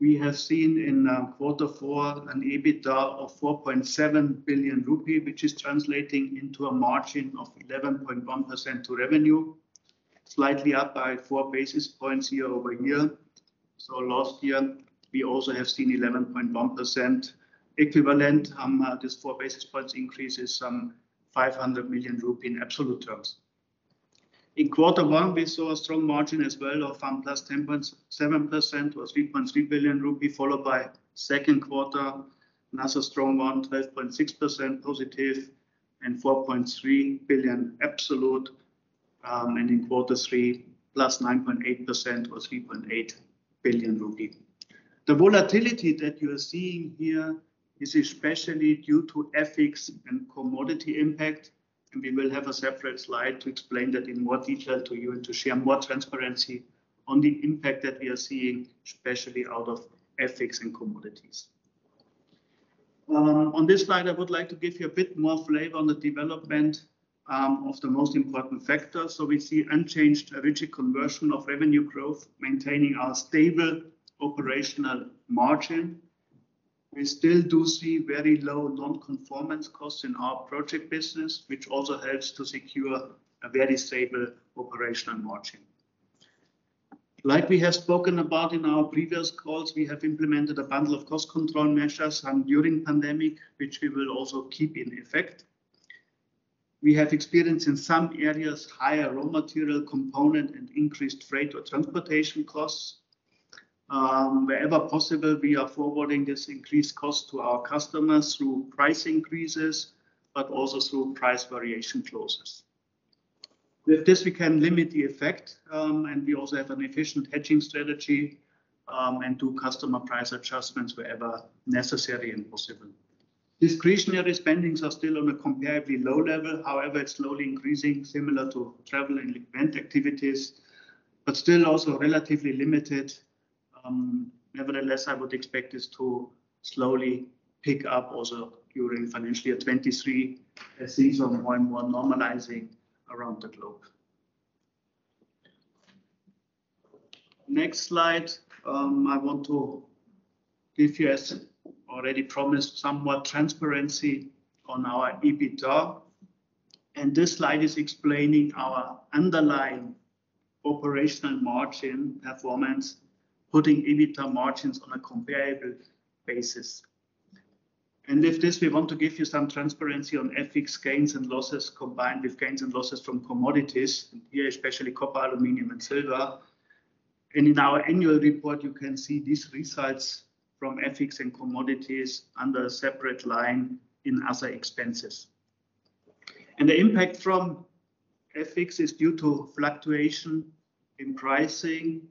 We have seen in quarter four an EBITDA of 4.7 billion rupee, which is translating into a margin of 11.1% to revenue, slightly up by four basis points year-over-year. So last year, we also have seen 11.1% equivalent. This four basis points increase is some 500 million rupee in absolute terms. In quarter one, we saw a strong margin as well of +10.7% or 3.3 billion rupee, followed by second quarter, another strong one, 12.6%+ and 4.3 billion absolute. In quarter three, +9.8% or 3.8 billion rupee. The volatility that you are seeing here is especially due to FX and commodity impact. We will have a separate slide to explain that in more detail to you and to share more transparency on the impact that we are seeing, especially out of FX and commodities. On this slide, I would like to give you a bit more flavor on the development of the most important factors. We see unchanged FX conversion of revenue growth, maintaining our stable operational margin. We still do see very low non-conformance costs in our project business, which also helps to secure a very stable operational margin. Like we have spoken about in our previous calls, we have implemented a bundle of cost control measures during the pandemic, which we will also keep in effect. We have experienced in some areas higher raw material component and increased freight or transportation costs. Wherever possible, we are forwarding this increased cost to our customers through price increases, but also through price variation clauses. With this, we can limit the effect, and we also have an efficient hedging strategy and do customer price adjustments wherever necessary and possible. Discretionary spendings are still on a comparably low level. However, it's slowly increasing, similar to travel and event activities, but still also relatively limited. Nevertheless, I would expect this to slowly pick up also during financial year 2023 as things are more and more normalizing around the globe. Next slide. I want to give you, as already promised, some transparency on our EBITDA. This slide is explaining our underlying operational margin performance, putting EBITDA margins on a comparable basis. With this, we want to give you some transparency on FX gains and losses combined with gains and losses from commodities, especially copper, aluminum, and silver. In our annual report, you can see these results from FX and commodities under a separate line in other expenses. The impact from FX is due to fluctuation in pricing,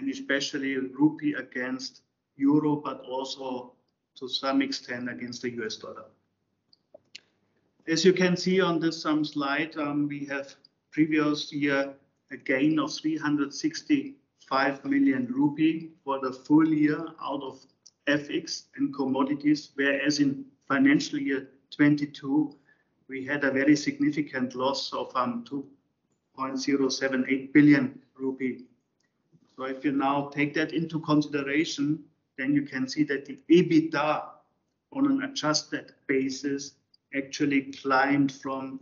and especially rupee against euro, but also to some extent against the U.S. dollar. As you can see on this slide, in the previous year we had a gain of 365 million rupee for the full year out of FX and commodities, whereas in financial year 2022, we had a very significant loss of 2.078 billion rupee. So if you now take that into consideration, then you can see that the EBITDA on an adjusted basis actually climbed from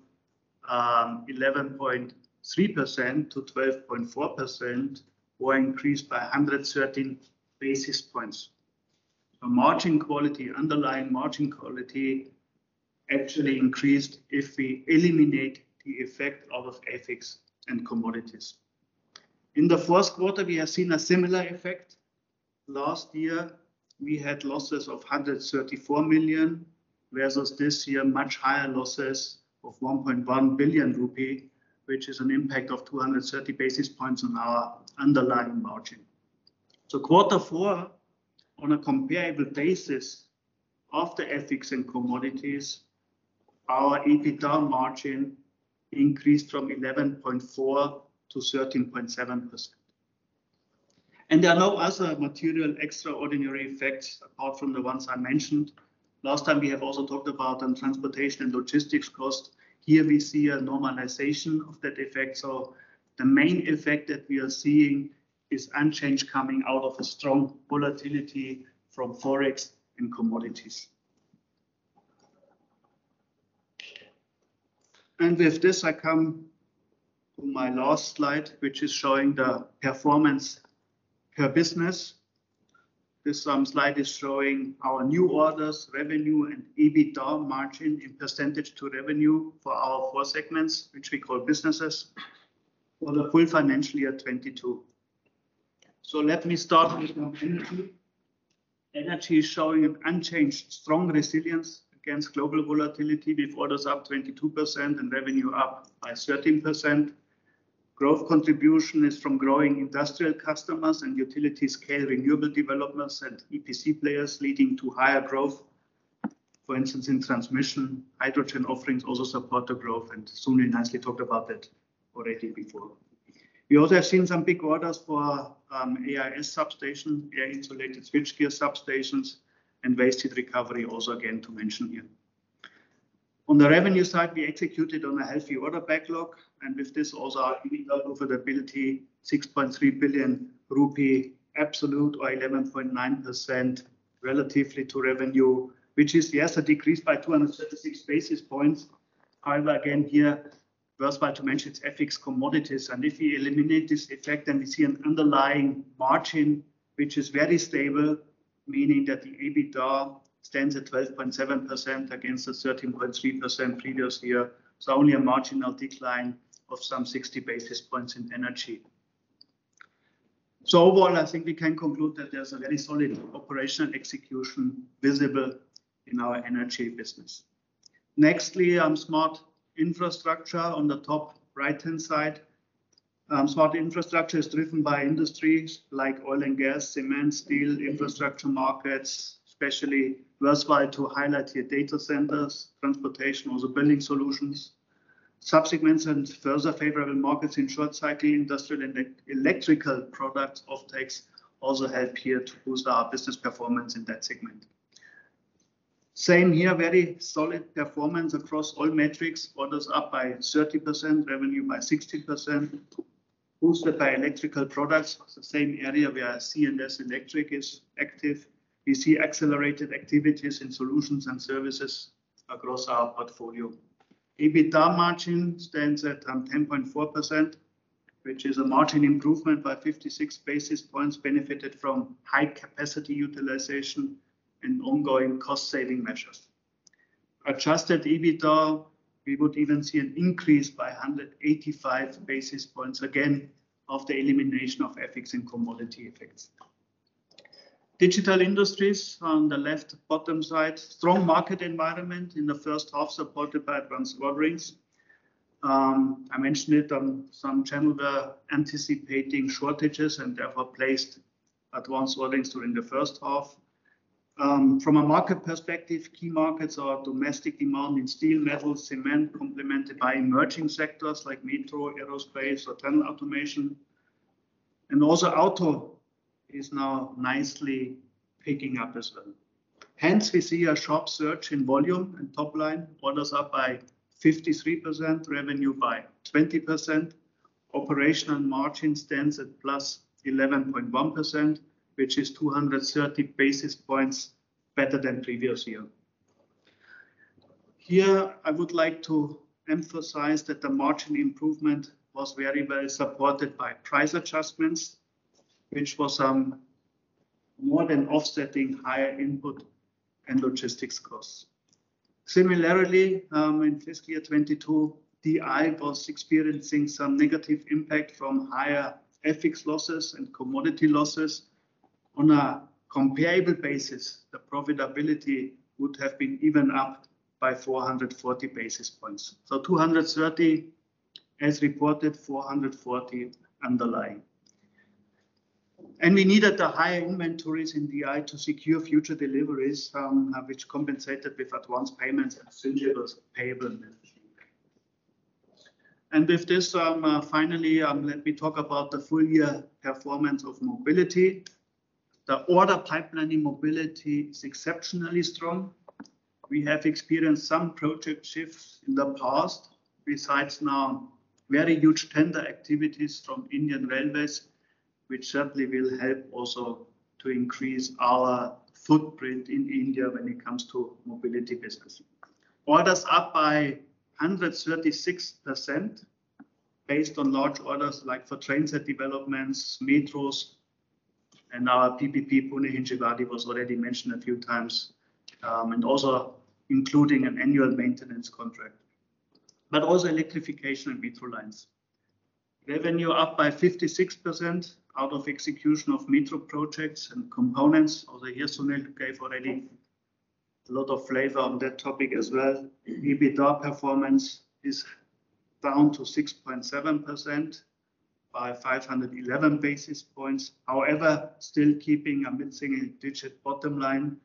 11.3%-12.4% or increased by 113 basis points, so margin quality, underlying margin quality, actually increased if we eliminate the effect out of FX and commodities. In the fourth quarter, we have seen a similar effect. Last year, we had losses of 134 million versus this year, much higher losses of 1.1 billion rupee, which is an impact of 230 basis points on our underlying margin, so quarter four, on a comparable basis of the FX and commodities, our EBITDA margin increased from 11.4%-13.7%. There are no other material extraordinary effects apart from the ones I mentioned. Last time, we have also talked about transportation and logistics costs. Here, we see a normalization of that effect. The main effect that we are seeing is unchanged coming out of a strong volatility from forex and commodities. With this, I come to my last slide, which is showing the performance per business. This slide is showing our new orders, revenue, and EBITDA margin in percentage to revenue for our four segments, which we call businesses, for the full financial year 2022. Let me start with energy. Energy is showing an unchanged strong resilience against global volatility with orders up 22% and revenue up by 13%. Growth contribution is from growing industrial customers and utility scale renewable developments and EPC players leading to higher growth. For instance, in transmission, hydrogen offerings also support the growth, and Sunil nicely talked about that already before. We also have seen some big orders for AIS substations, air insulated switchgear substations, and waste heat recovery also again to mention here. On the revenue side, we executed on a healthy order backlog. And with this, also our EBITDA profitability, 6.3 billion rupee absolute or 11.9% relatively to revenue, which is yes, a decrease by 236 basis points. However, again here, worthwhile to mention it's FX, commodities. And if we eliminate this effect, then we see an underlying margin, which is very stable, meaning that the EBITDA stands at 12.7% against the 13.3% previous year. So only a marginal decline of some 60 basis points in energy. So overall, I think we can conclude that there's a very solid operational execution visible in our energy business. Next, Smart Infrastructure on the top right-hand side. Smart Infrastructure is driven by industries like oil and gas, cement, steel, infrastructure markets, especially worthwhile to highlight here data centers, transportation, also building solutions. Subsegments and further favorable markets in short-cycling industrial and electrical products offtakes also help here to boost our business performance in that segment. Same here, very solid performance across all metrics, orders up by 30%, revenue by 60%, boosted by electrical products. The same area where C&S Electric is active. We see accelerated activities in solutions and services across our portfolio. EBITDA margin stands at 10.4%, which is a margin improvement by 56 basis points benefited from high capacity utilization and ongoing cost-saving measures. Adjusted EBITDA, we would even see an increase by 185 basis points again after elimination of FX and commodity effects. Digital Industries on the left bottom side, strong market environment in the first half supported by advanced orderings. I mentioned it on some channel, the anticipating shortages and therefore placed advanced orderings during the first half. From a market perspective, key markets are domestic demand in steel, metal, cement, complemented by emerging sectors like metro, aerospace, or tunnel automation, and also auto is now nicely picking up as well. Hence, we see a sharp surge in volume and top line, orders up by 53%, revenue by 20%. Operational margin stands at plus 11.1%, which is 230 basis points better than previous year. Here, I would like to emphasize that the margin improvement was very well supported by price adjustments, which was more than offsetting higher input and logistics costs. Similarly, in fiscal year 2022, DI was experiencing some negative impact from higher FX losses and commodity losses. On a comparable basis, the profitability would have been even up by 440 basis points. So 230 basis points, as reported, 440 basis points underlying. We needed the higher inventories in DI to secure future deliveries, which compensated with advanced payments and supplier payable. With this, finally, let me talk about the full year performance of mobility. The order pipeline in mobility is exceptionally strong. We have experienced some project shifts in the past, besides now very huge tender activities from Indian Railways, which certainly will help also to increase our footprint in India when it comes to Mobility business. Orders up by 136% based on large orders like for trains and locomotives, metros, and our PPP Pune-Hinjewadi was already mentioned a few times, and also including an annual maintenance contract, but also electrification and metro lines. Revenue up by 56% out of execution of metro projects and components. Although here Sunil gave already a lot of flavor on that topic as well. EBITDA performance is down to 6.7% by 511 basis points. However, still keeping a mid-single-digit bottom line,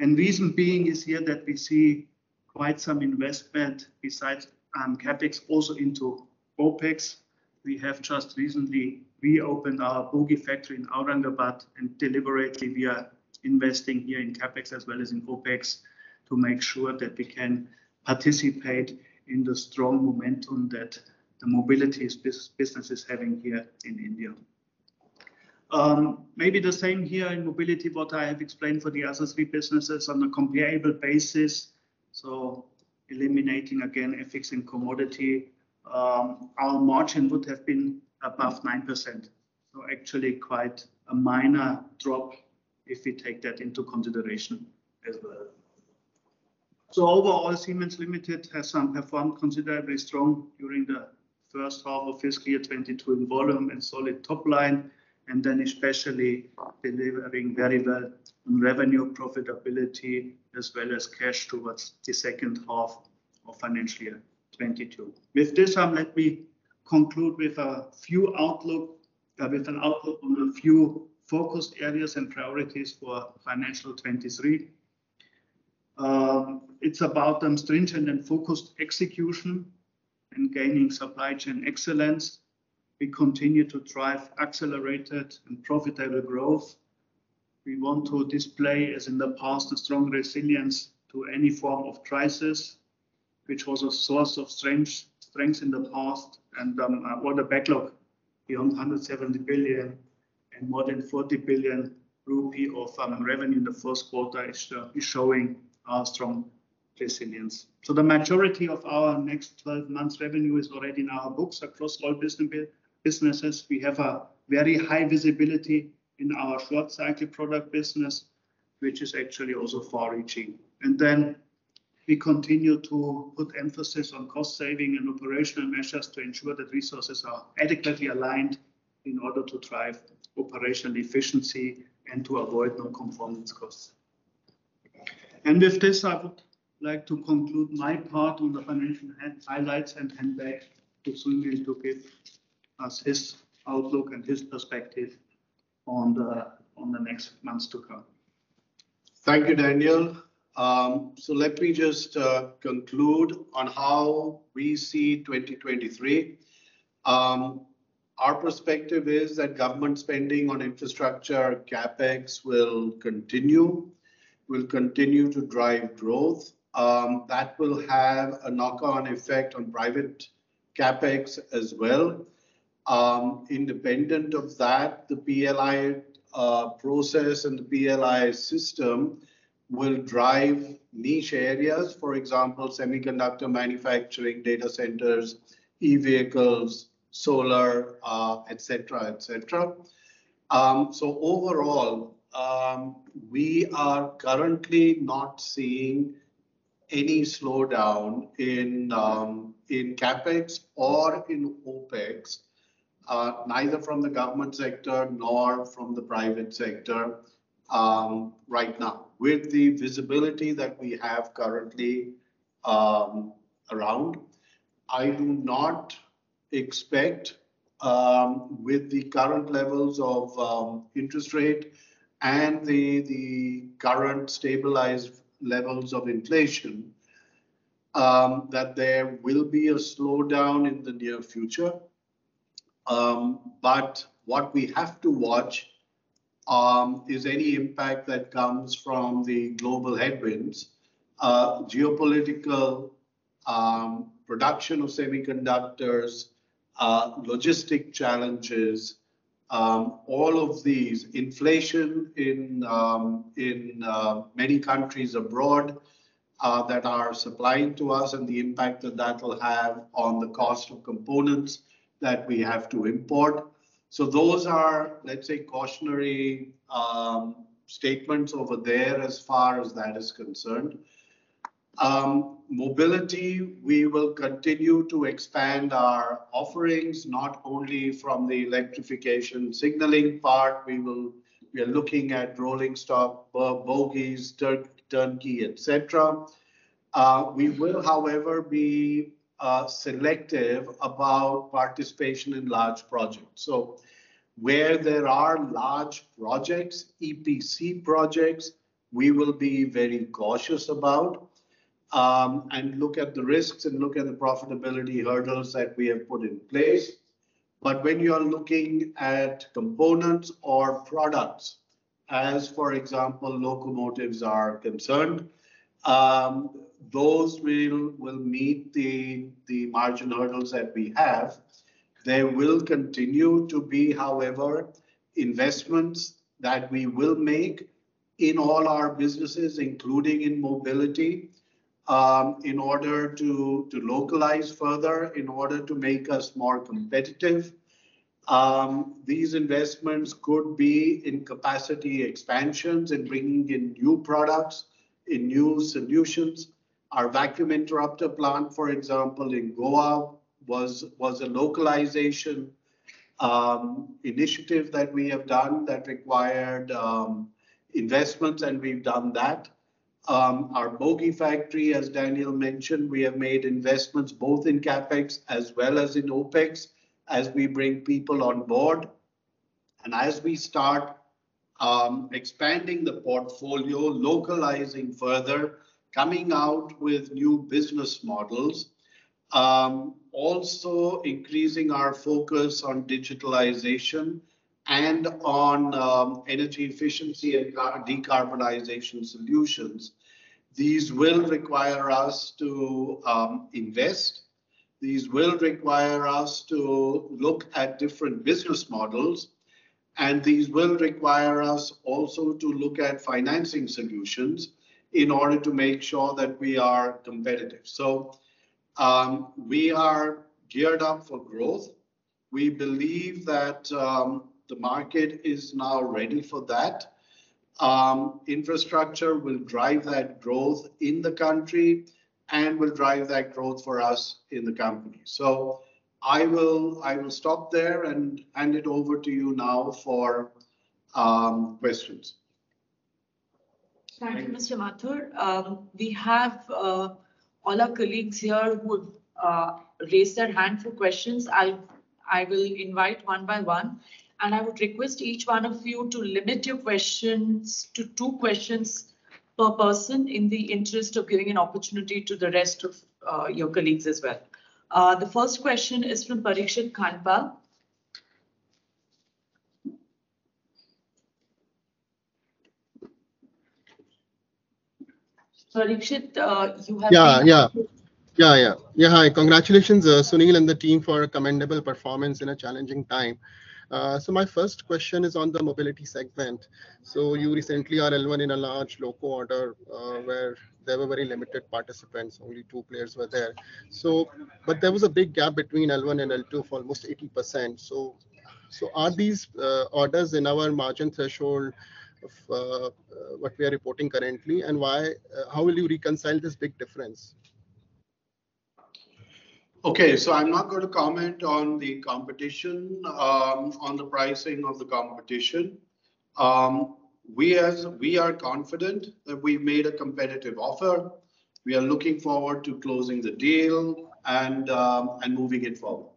and reason being is here that we see quite some investment besides CapEx also into OpEx. We have just recently reopened our bogie factory in Aurangabad and deliberately we are investing here in CapEx as well as in OpEx to make sure that we can participate in the strong momentum that the Mobility business is having here in India. Maybe the same here in mobility, what I have explained for the other three businesses on a comparable basis, so eliminating again acquisitions and commodity, our margin would have been above 9%, so actually quite a minor drop if we take that into consideration as well. Overall, Siemens Limited has performed considerably strong during the first half of fiscal year 2022 in volume and solid top line, and then especially delivering very well on revenue profitability as well as cash towards the second half of financial year 2022. With this, let me conclude with a few outlook, with an outlook on a few focus areas and priorities for financial 2023. It's about stringent and focused execution and gaining supply chain excellence. We continue to drive accelerated and profitable growth. We want to display, as in the past, a strong resilience to any form of crisis, which was a source of strength in the past. Order backlog beyond 170 billion and more than 40 billion rupee of revenue in the first quarter is showing our strong resilience. The majority of our next 12 months' revenue is already in our books across all businesses. We have a very high visibility in our short-cycle product business, which is actually also far-reaching, and then we continue to put emphasis on cost-saving and operational measures to ensure that resources are adequately aligned in order to drive operational efficiency and to avoid non-conformance costs, and with this, I would like to conclude my part on the financial highlights and hand back to Sunil to give us his outlook and his perspective on the next months to come. Thank you, Daniel. So let me just conclude on how we see 2023. Our perspective is that government spending on infrastructure, CapEx, will continue. We'll continue to drive growth. That will have a knock-on effect on private CapEx as well. Independent of that, the PLI process and the PLI system will drive niche areas, for example, semiconductor manufacturing, data centers, e-vehicles, solar, etc., etc. So overall, we are currently not seeing any slowdown in CapEx or in OpEx, neither from the government sector nor from the private sector right now. With the visibility that we have currently around, I do not expect with the current levels of interest rate and the current stabilized levels of inflation that there will be a slowdown in the near future. But what we have to watch is any impact that comes from the global headwinds, geopolitical production of semiconductors, logistic challenges, all of these, inflation in many countries abroad that are supplying to us, and the impact that that will have on the cost of components that we have to import. So those are, let's say, cautionary statements over there as far as that is concerned. Mobility, we will continue to expand our offerings, not only from the electrification signaling part. We are looking at rolling stock, bogies, turnkey, etc. We will, however, be selective about participation in large projects, so where there are large projects, EPC projects, we will be very cautious about and look at the risks and look at the profitability hurdles that we have put in place, but when you are looking at components or products, as for example, locomotives are concerned, those will meet the margin hurdles that we have. They will continue to be, however, investments that we will make in all our businesses, including in mobility, in order to localize further, in order to make us more competitive. These investments could be in capacity expansions and bringing in new products, in new solutions. Our vacuum interrupter plant, for example, in Goa was a localization initiative that we have done that required investments, and we've done that. Our bogie factory, as Daniel mentioned, we have made investments both in CapEx as well as in OpEx as we bring people on board, and as we start expanding the portfolio, localizing further, coming out with new business models, also increasing our focus on digitalization and on energy efficiency and decarbonization solutions, these will require us to invest. These will require us to look at different business models, and these will require us also to look at financing solutions in order to make sure that we are competitive, so we are geared up for growth. We believe that the market is now ready for that. Infrastructure will drive that growth in the country and will drive that growth for us in the company, so I will stop there and hand it over to you now for questions. Thank you, Mr. Mathur. We have all our colleagues here who would raise their hand for questions. I will invite one by one, and I would request each one of you to limit your questions to two questions per person in the interest of giving an opportunity to the rest of your colleagues as well. The first question is from Parikshit Luthra. Parikshit, you have. Yeah, hi. Congratulations, Sunil and the team for a commendable performance in a challenging time. So my first question is on the mobility segment. So you recently are L1 in a large local order where there were very limited participants. Only two players were there. But there was a big gap between L1 and L2 for almost 80%. So are these orders in our margin threshold what we are reporting currently, and how will you reconcile this big difference? Okay. So I'm not going to comment on the competition, on the pricing of the competition. We are confident that we made a competitive offer. We are looking forward to closing the deal and moving it forward.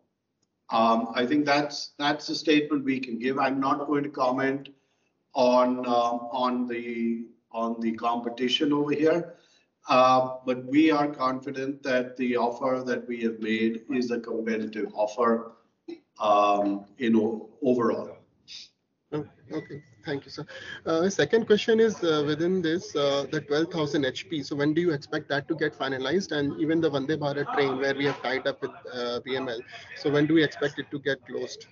I think that's the statement we can give. I'm not going to comment on the competition over here, but we are confident that the offer that we have made is a competitive offer overall. Okay. Thank you, sir. The second question is within this, the 12,000 HP. So when do you expect that to get finalized? And even the Vande Bharat train where we have tied up with BEML, so when do we expect it to get closed?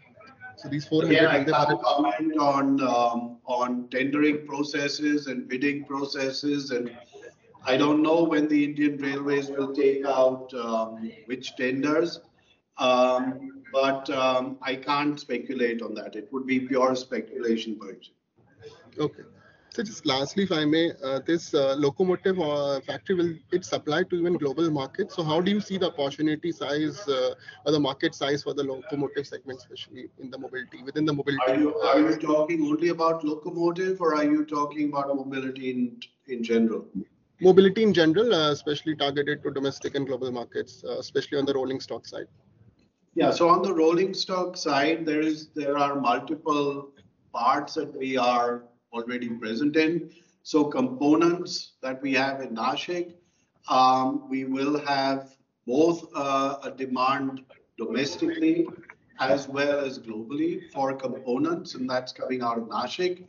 So these 400 Vande Bharat - I don't comment on tendering processes and bidding processes, and I don't know when the Indian Railways will take out which tenders, but I can't speculate on that. It would be pure speculation, Parikshit. Okay. So just lastly, if I may, this locomotive factory, will it supply to even global markets? So how do you see the opportunity size or the market size for the locomotive segment, especially in the mobility? Within the mobility. Are you talking only about locomotive, or are you talking about mobility in general? Mobility in general, especially targeted to domestic and global markets, especially on the rolling stock side. Yeah. So on the rolling stock side, there are multiple parts that we are already present in. So components that we have in Nashik, we will have both a demand domestically as well as globally for components, and that's coming out of Nashik,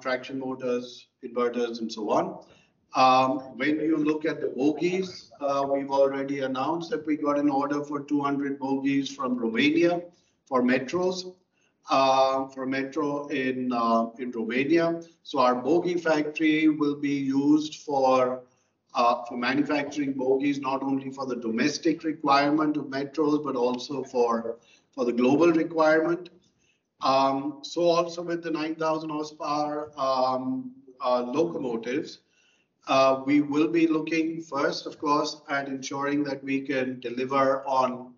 traction motors, inverters, and so on. When you look at the bogies, we've already announced that we got an order for 200 bogies from Romania for metros, for metro in Romania. So our bogie factory will be used for manufacturing bogies, not only for the domestic requirement of metros, but also for the global requirement. So also with the 9,000 horsepower locomotives, we will be looking first, of course, at ensuring that we can deliver on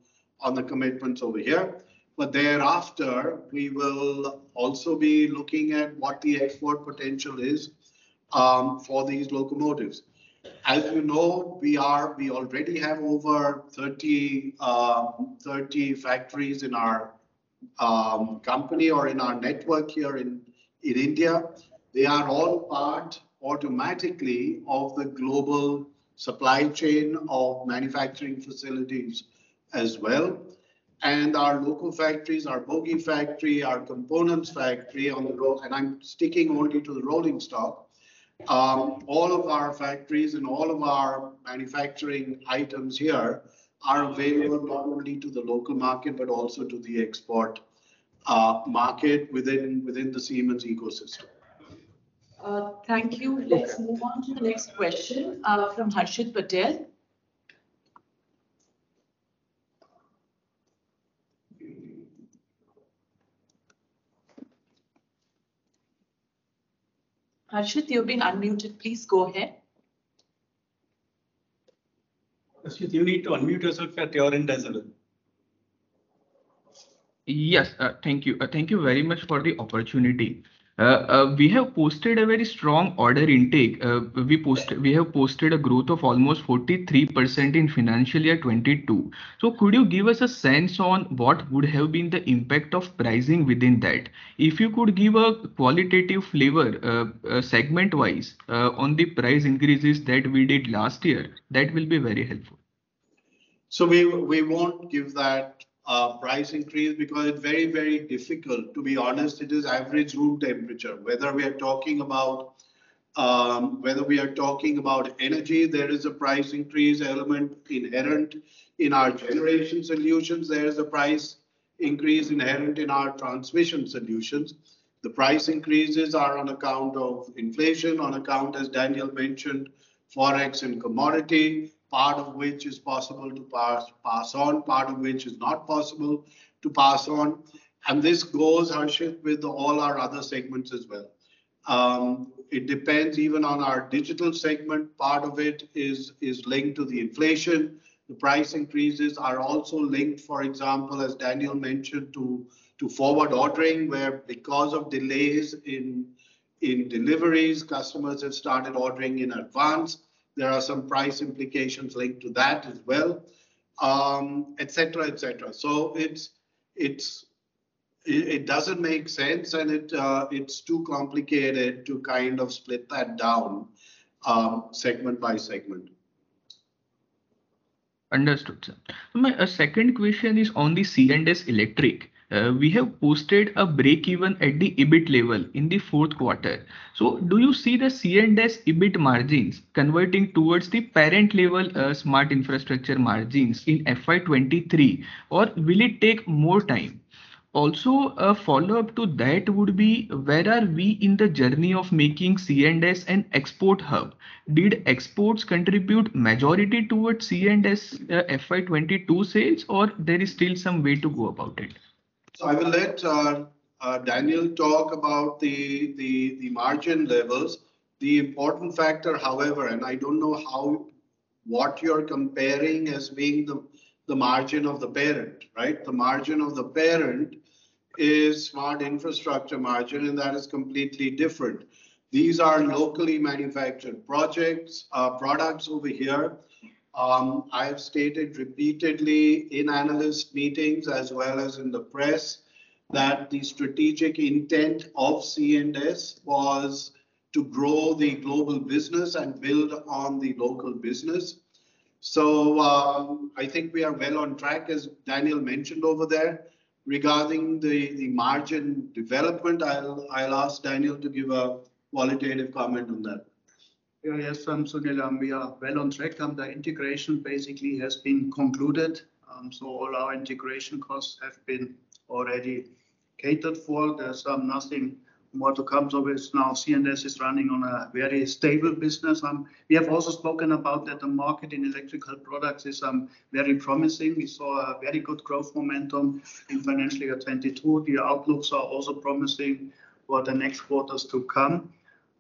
the commitments over here. But thereafter, we will also be looking at what the export potential is for these locomotives. As you know, we already have over 30 factories in our company or in our network here in India. They are all part automatically of the global supply chain of manufacturing facilities as well. And our local factories, our bogie factory, our components factory on the road, and I'm sticking only to the rolling stock. All of our factories and all of our manufacturing items here are available not only to the local market, but also to the export market within the Siemens ecosystem. Thank you. Let's move on to the next question from Harshit Patel. Harshit, you've been unmuted. Please go ahead. Harshit, you need to unmute yourself at your end as well. Yes. Thank you. Thank you very much for the opportunity. We have posted a very strong order intake. We have posted a growth of almost 43% in financial year 2022. So could you give us a sense on what would have been the impact of pricing within that? If you could give a qualitative flavor segment-wise on the price increases that we did last year, that will be very helpful. So we won't give that price increase because it's very, very difficult. To be honest, it is average room temperature. Whether we are talking about energy, there is a price increase element inherent in our generation solutions. There is a price increase inherent in our transmission solutions. The price increases are on account of inflation, on account, as Daniel mentioned, forex and commodity, part of which is possible to pass on, part of which is not possible to pass on. This goes, Harshit, with all our other segments as well. It depends even on our digital segment. Part of it is linked to the inflation. The price increases are also linked, for example, as Daniel mentioned, to forward ordering where, because of delays in deliveries, customers have started ordering in advance. There are some price implications linked to that as well, etc., etc. It doesn't make sense, and it's too complicated to kind of split that down segment by segment. Understood, sir. My second question is on the C&S Electric. We have posted a break-even at the EBIT level in the fourth quarter. Do you see the C&S EBIT margins converting towards the parent-level Smart Infrastructure margins in FY 2023, or will it take more time? Also, a follow-up to that would be, where are we in the journey of making C&S an export hub? Did exports contribute majority towards C&S FY 2022 sales, or there is still some way to go about it? So I will let Daniel talk about the margin levels. The important factor, however, and I don't know what you're comparing as being the margin of the parent, right? The margin of the parent is Smart Infrastructure margin, and that is completely different. These are locally manufactured projects, products over here. I have stated repeatedly in analyst meetings as well as in the press that the strategic intent of C&S was to grow the global business and build on the local business. I think we are well on track, as Daniel mentioned over there, regarding the margin development. I'll ask Daniel to give a qualitative comment on that. Yeah. Yes, I'm Sunil Mathur. Well on track. The integration basically has been concluded. So all our integration costs have been already catered for. There's nothing more to come to it. Now, C&S is running on a very stable business. We have also spoken about that the market in electrical products is very promising. We saw a very good growth momentum in financial year 2022. The outlooks are also promising for the next quarters to come.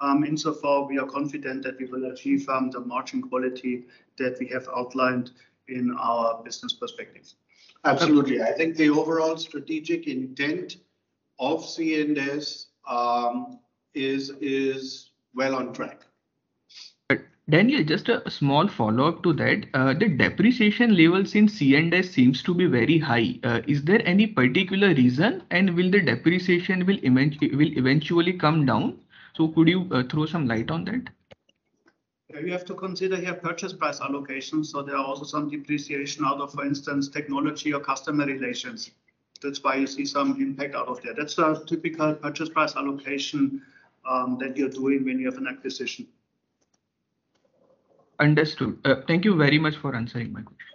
Insofar as we are confident that we will achieve the margin quality that we have outlined in our business perspectives. Absolutely. I think the overall strategic intent of C&S is well on track. Daniel, just a small follow-up to that. The depreciation level since C&S seems to be very high. Is there any particular reason, and will the depreciation eventually come down? So could you throw some light on that? We have to consider here purchase price allocation. So there are also some depreciation out of, for instance, technology or customer relations. That's why you see some impact out of there. That's a typical purchase price allocation that you're doing when you have an acquisition. Understood. Thank you very much for answering my question.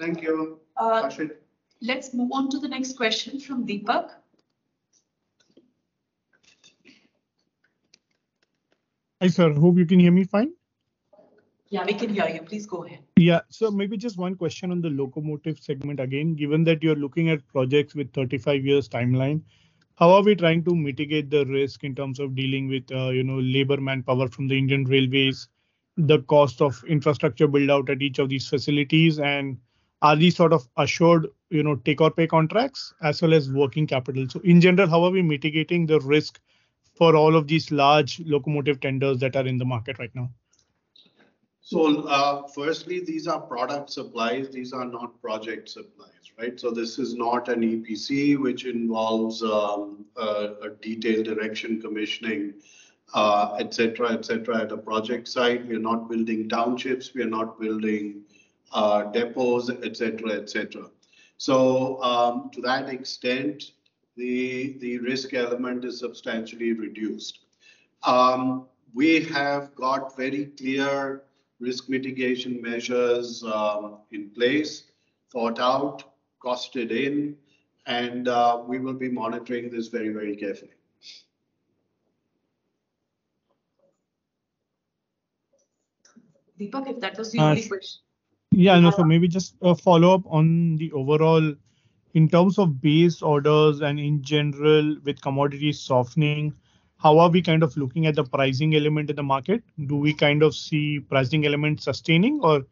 Thank you, Harshit. Let's move on to the next question from Deepak. Hi, sir. Hope you can hear me fine. Yeah, we can hear you. Please go ahead. Yeah. So maybe just one question on the locomotive segment again. Given that you're looking at projects with a 35-year timeline, how are we trying to mitigate the risk in terms of dealing with labor manpower from the Indian Railways, the cost of infrastructure build-out at each of these facilities, and are these sort of assured take-or-pay contracts as well as working capital? So in general, how are we mitigating the risk for all of these large locomotive tenders that are in the market right now? So firstly, these are product supplies. These are not project supplies, right? So this is not an EPC, which involves a detailed erection commissioning, etc., etc., at a project site. We are not building townships. We are not building depots, etc., etc. So to that extent, the risk element is substantially reduced. We have got very clear risk mitigation measures in place, thought out, costed in, and we will be monitoring this very, very carefully. Deepak, if that was your question. Yeah. No, sir. Maybe just a follow-up on the overall. In terms of base orders and in general with commodity softening, how are we kind of looking at the pricing element in the market? Do we kind of see pricing element sustaining, or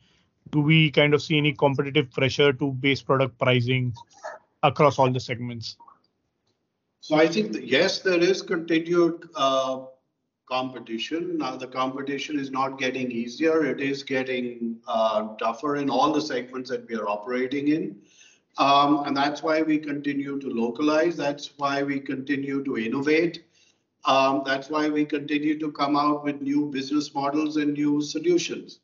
do we kind of see any competitive pressure to base product pricing across all the segments? So I think, yes, there is continued competition. Now, the competition is not getting easier. It is getting tougher in all the segments that we are operating in. And that's why we continue to localize. That's why we continue to innovate. That's why we continue to come out with new business models and new solutions.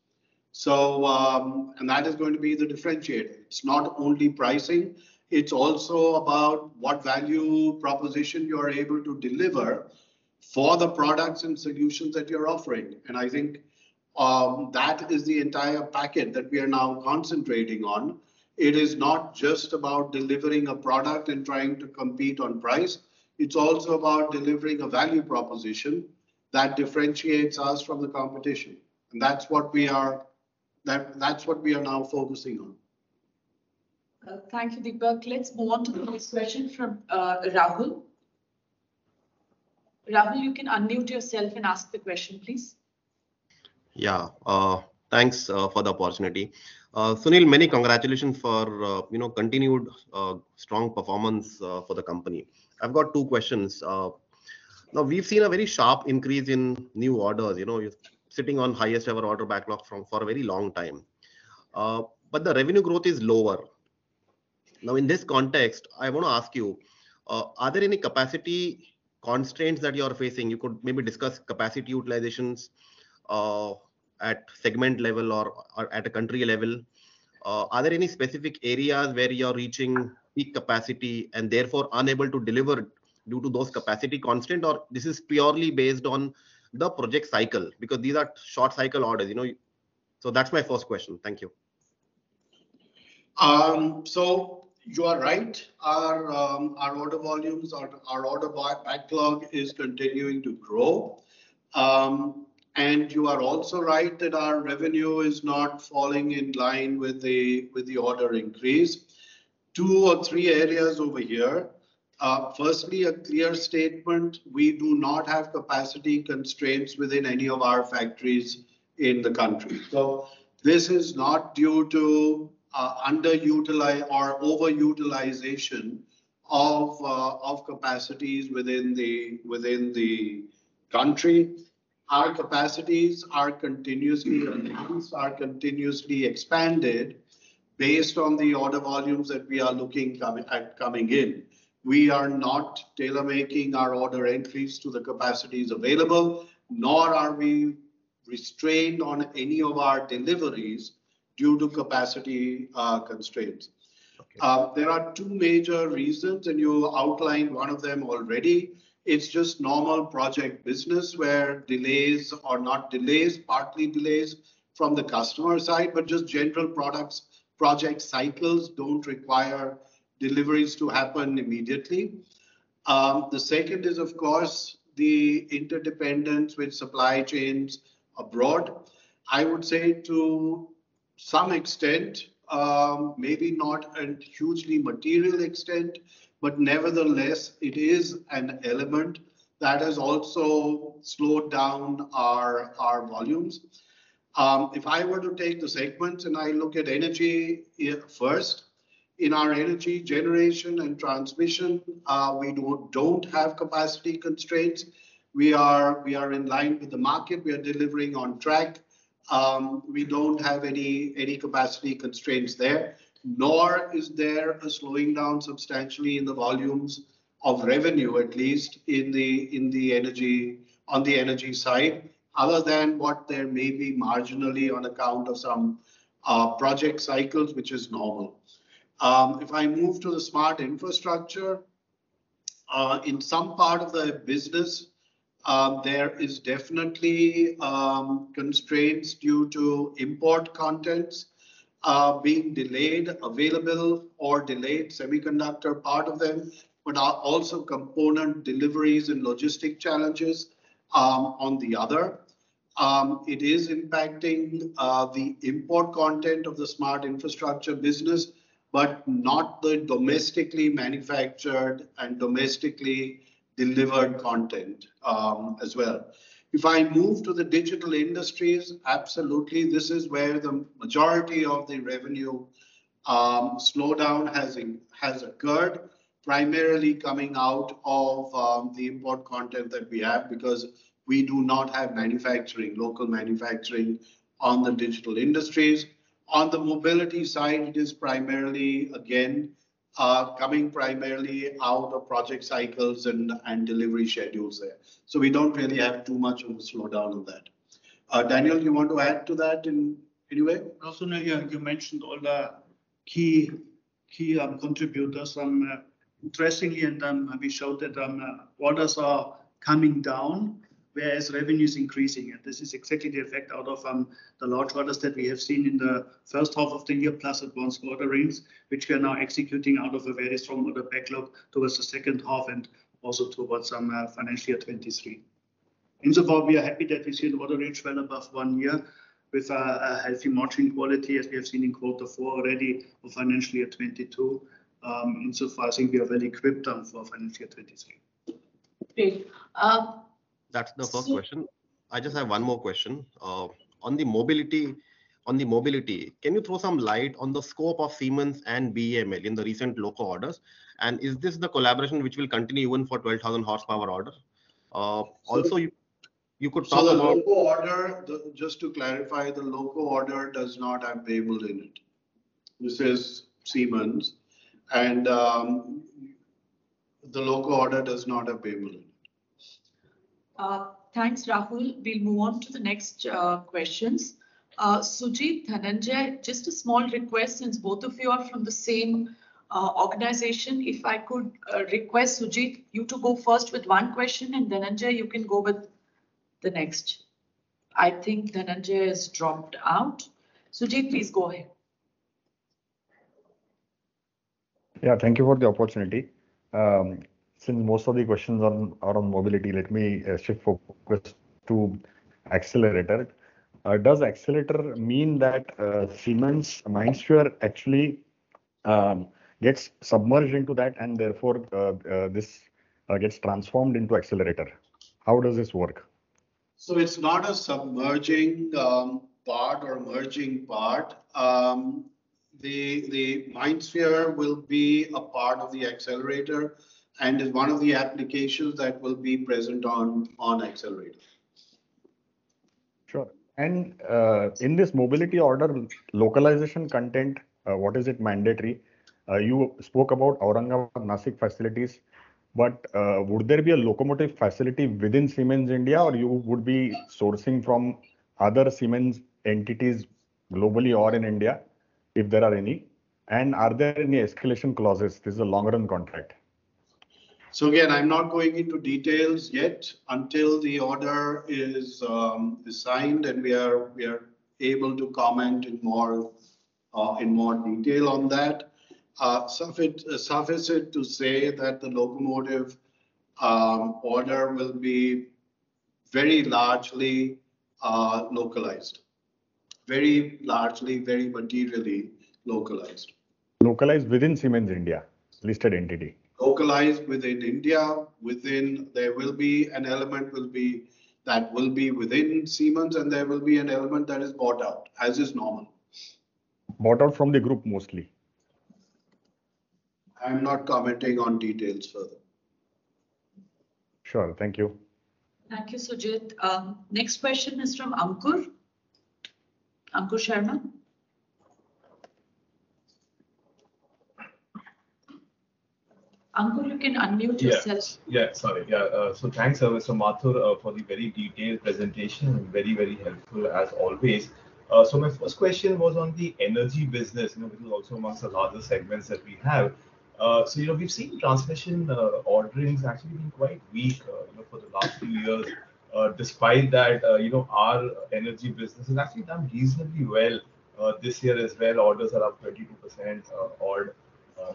And that is going to be the differentiator. It's not only pricing. It's also about what value proposition you are able to deliver for the products and solutions that you're offering. And I think that is the entire packet that we are now concentrating on. It is not just about delivering a product and trying to compete on price. It's also about delivering a value proposition that differentiates us from the competition. And that's what we are now focusing on. Thank you, Deepak. Let's move on to the next question from Rahul. Rahul, you can unmute yourself and ask the question, please. Yeah. Thanks for the opportunity. Sunil, many congratulations for continued strong performance for the company. I've got two questions. Now, we've seen a very sharp increase in new orders. You're sitting on highest-ever order backlog for a very long time. But the revenue growth is lower. Now, in this context, I want to ask you, are there any capacity constraints that you are facing? You could maybe discuss capacity utilizations at segment level or at a country level. Are there any specific areas where you are reaching peak capacity and therefore unable to deliver due to those capacity constraint, or this is purely based on the project cycle? Because these are short-cycle orders. So that's my first question. Thank you. So you are right. Our order volumes or our order backlog is continuing to grow. And you are also right that our revenue is not falling in line with the order increase. Two or three areas over here. Firstly, a clear statement: we do not have capacity constraints within any of our factories in the country. So this is not due to underutilization or overutilization of capacities within the country. Our capacities are continuously enhanced, are continuously expanded based on the order volumes that we are looking at coming in. We are not tailor-making our order entries to the capacities available, nor are we restrained on any of our deliveries due to capacity constraints. There are two major reasons, and you outlined one of them already. It's just normal project business where delays or not delays, partly delays from the customer side, but just general project cycles don't require deliveries to happen immediately. The second is, of course, the interdependence with supply chains abroad. I would say to some extent, maybe not a hugely material extent, but nevertheless, it is an element that has also slowed down our volumes. If I were to take the segments and I look at energy first, in our energy generation and transmission, we don't have capacity constraints. We are in line with the market. We are delivering on track. We don't have any capacity constraints there, nor is there a slowing down substantially in the volumes of revenue, at least in the Energy on the Energy side, other than what there may be marginally on account of some project cycles, which is normal. If I move to the Smart Infrastructure, in some part of the business, there is definitely constraints due to import contents being delayed, available or delayed, semiconductor part of them, but also component deliveries and logistic challenges on the other. It is impacting the import content of the Smart Infrastructure business, but not the domestically manufactured and domestically delivered content as well. If I move to the Digital Industries, absolutely, this is where the majority of the revenue slowdown has occurred, primarily coming out of the import content that we have because we do not have local manufacturing on the Digital Industries. On the mobility side, it is primarily, again, coming primarily out of project cycles and delivery schedules there. So we don't really have too much of a slowdown on that. Daniel, do you want to add to that in any way? No, Sunil. You mentioned all the key contributors. Interestingly, and we showed that orders are coming down, whereas revenue is increasing. And this is exactly the effect out of the large orders that we have seen in the first half of the year plus advanced orderings, which we are now executing out of a very strong order backlog towards the second half and also towards financial year 2023. Insofar as we are happy that we see an order book well above one year with a healthy margin quality, as we have seen in quarter four already of financial year 2022. Insofar as I think we are well equipped for financial year 2023. Great. That's the first question. I just have one more question. On the mobility, can you throw some light on the scope of Siemens and BEML in the recent local orders? And is this the collaboration which will continue even for 12,000 horsepower orders? Also, you could talk about. So the local order, just to clarify, the local order does not have BEML in it. This is Siemens. And the local order does not have BEML in it. Thanks, Rahul. We'll move on to the next questions. Sujit, Dhananjay, just a small request since both of you are from the same organization. If I could request Sujit, you to go first with one question, and Dhananjay, you can go with the next. I think Dhananjay has dropped out. Sujit, please go ahead. Yeah. Thank you for the opportunity. Since most of the questions are on mobility, let me shift focus to Xcelerator. Does Xcelerator mean that Siemens MindSphere actually gets submerged into that, and therefore this gets transformed into Xcelerator? How does this work? So it's not a submerging part or merging part. The MindSphere will be a part of the Xcelerator and is one of the applications that will be present on Xcelerator. Sure. And in this mobility order, localization content, what is it mandatory? You spoke about Aurangabad-Nashik facilities, but would there be a locomotive facility within Siemens India, or you would be sourcing from other Siemens entities globally or in India, if there are any? And are there any escalation clauses? This is a long-run contract. So again, I'm not going into details yet until the order is signed, and we are able to comment in more detail on that. Suffice it to say that the locomotive order will be very largely localized, very largely, very materially localized. Localized within Siemens India, listed entity? Localized within India. There will be an element that will be within Siemens, and there will be an element that is bought out, as is normal. Bought out from the group mostly. I'm not commenting on details further. Sure. Thank you. Thank you, Sujith. Next question is from Ankur Sharma. Ankur, you can unmute yourself. Yes. Yeah. Sorry. Yeah. So thanks, Mr. Mathur, for the very detailed presentation and very, very helpful as always. So my first question was on the energy business, which is also amongst the larger segments that we have. So we've seen transmission orderings actually being quite weak for the last few years. Despite that, our energy business has actually done reasonably well this year as well. Orders are up 22%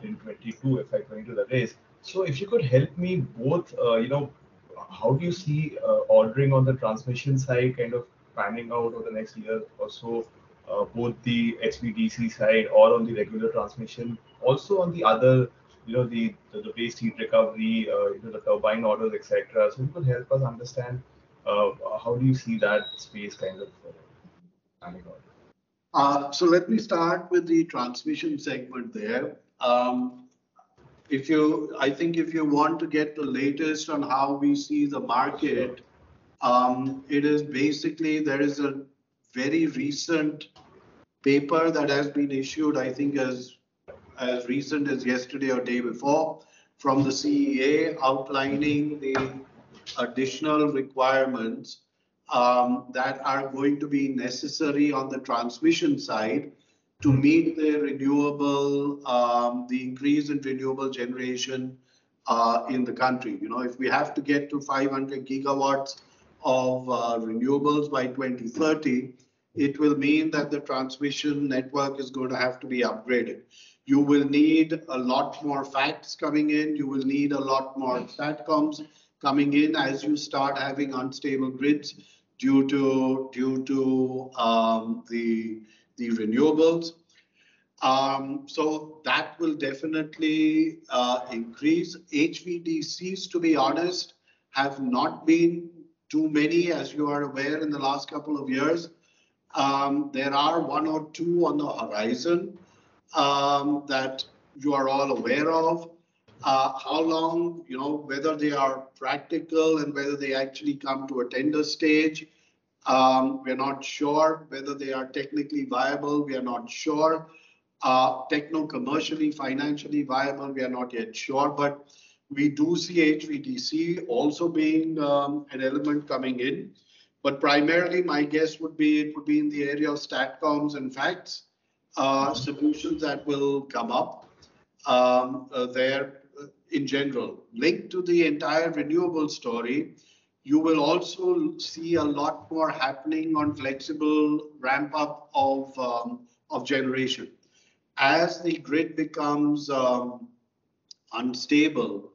in 2022, if I'm going to the right. So if you could help me both, how do you see ordering on the transmission side kind of panning out over the next year or so, both the HVDC side or on the regular transmission, also on the other side, heat recovery, the turbine orders, etc.? So if you could help us understand, how do you see that space kind of panning out? So let me start with the transmission segment there. I think if you want to get the latest on how we see the market, it is basically there is a very recent paper that has been issued, I think as recent as yesterday or the day before, from the CEA outlining the additional requirements that are going to be necessary on the transmission side to meet the increase in renewable generation in the country. If we have to get to 500 GW of renewables by 2030, it will mean that the transmission network is going to have to be upgraded. You will need a lot more FACTS coming in. You will need a lot more STATCOMs coming in as you start having unstable grids due to the renewables. So that will definitely increase. HVDCs, to be honest, have not been too many, as you are aware in the last couple of years. There are one or two on the horizon that you are all aware of. How long, whether they are practical and whether they actually come to a tender stage, we're not sure. Whether they are technically viable, we are not sure. Techno-commercially, financially viable, we are not yet sure. But we do see HVDC also being an element coming in. But primarily, my guess would be it would be in the area of STATCOMs and FACTS, solutions that will come up there in general. Linked to the entire renewable story, you will also see a lot more happening on flexible ramp-up of generation. As the grid becomes unstable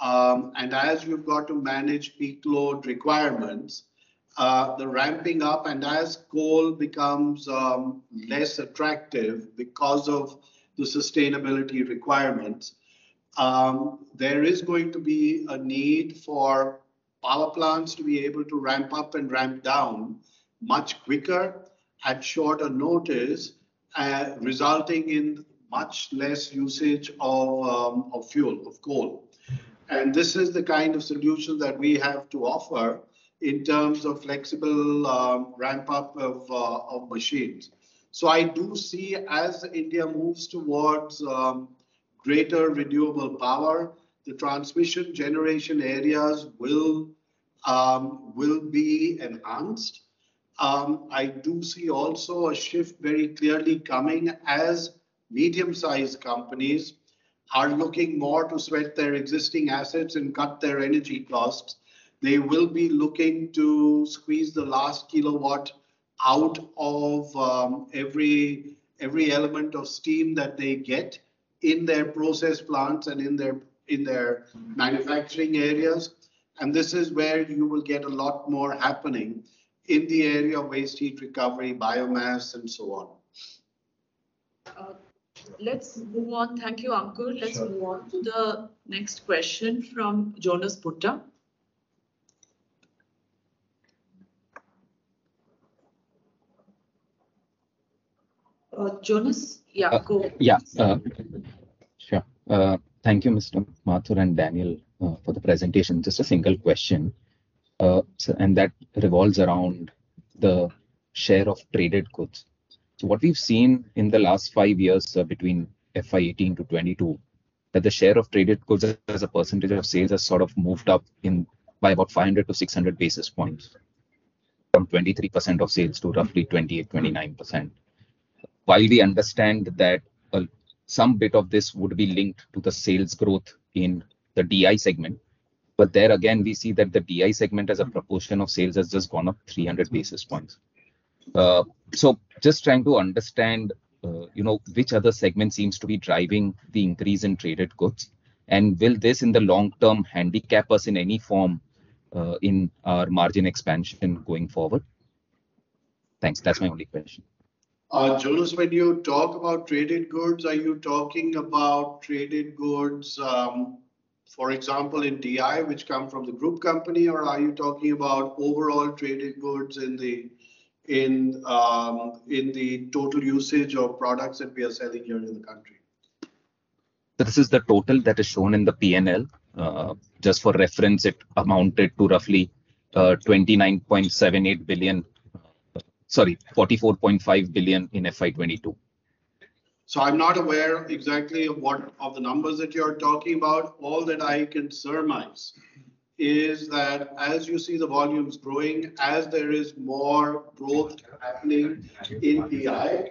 and as you've got to manage peak load requirements, the ramping up, and as coal becomes less attractive because of the sustainability requirements, there is going to be a need for power plants to be able to ramp up and ramp down much quicker at shorter notice, resulting in much less usage of fuel, of coal. And this is the kind of solution that we have to offer in terms of flexible ramp-up of machines. So I do see as India moves towards greater renewable power, the transmission generation areas will be enhanced. I do see also a shift very clearly coming as medium-sized companies are looking more to sweat their existing assets and cut their energy costs. They will be looking to squeeze the last kilowatt out of every element of steam that they get in their process plants and in their manufacturing areas. And this is where you will get a lot more happening in the area of waste heat recovery, biomass, and so on. Let's move on. Thank you, Ankur. Let's move on to the next question from Jonas Bhutta. Jonas? Yeah, Ankur. Yeah. Sure. Thank you, Mr. Mathur and Daniel, for the presentation. Just a single question. And that revolves around the share of traded goods. So what we've seen in the last five years between FY 2018 to 2022, that the share of traded goods as a percentage of sales has sort of moved up by about 500 basis points-600 basis points from 23% of sales to roughly 28%-29%. While we understand that some bit of this would be linked to the sales growth in the DI segment, but there again, we see that the DI segment as a proportion of sales has just gone up 300 basis points. So just trying to understand which other segment seems to be driving the increase in traded goods, and will this in the long term handicap us in any form in our margin expansion going forward? Thanks. That's my only question. Jonas, when you talk about traded goods, are you talking about traded goods, for example, in DI, which come from the group company, or are you talking about overall traded goods in the total usage of products that we are selling here in the country? This is the total that is shown in the P&L. Just for reference, it amounted to roughly 29.78 billion, sorry, 44.5 billion in FY 2022. So I'm not aware exactly of the numbers that you're talking about. All that I can surmise is that as you see the volumes growing, as there is more growth happening in DI,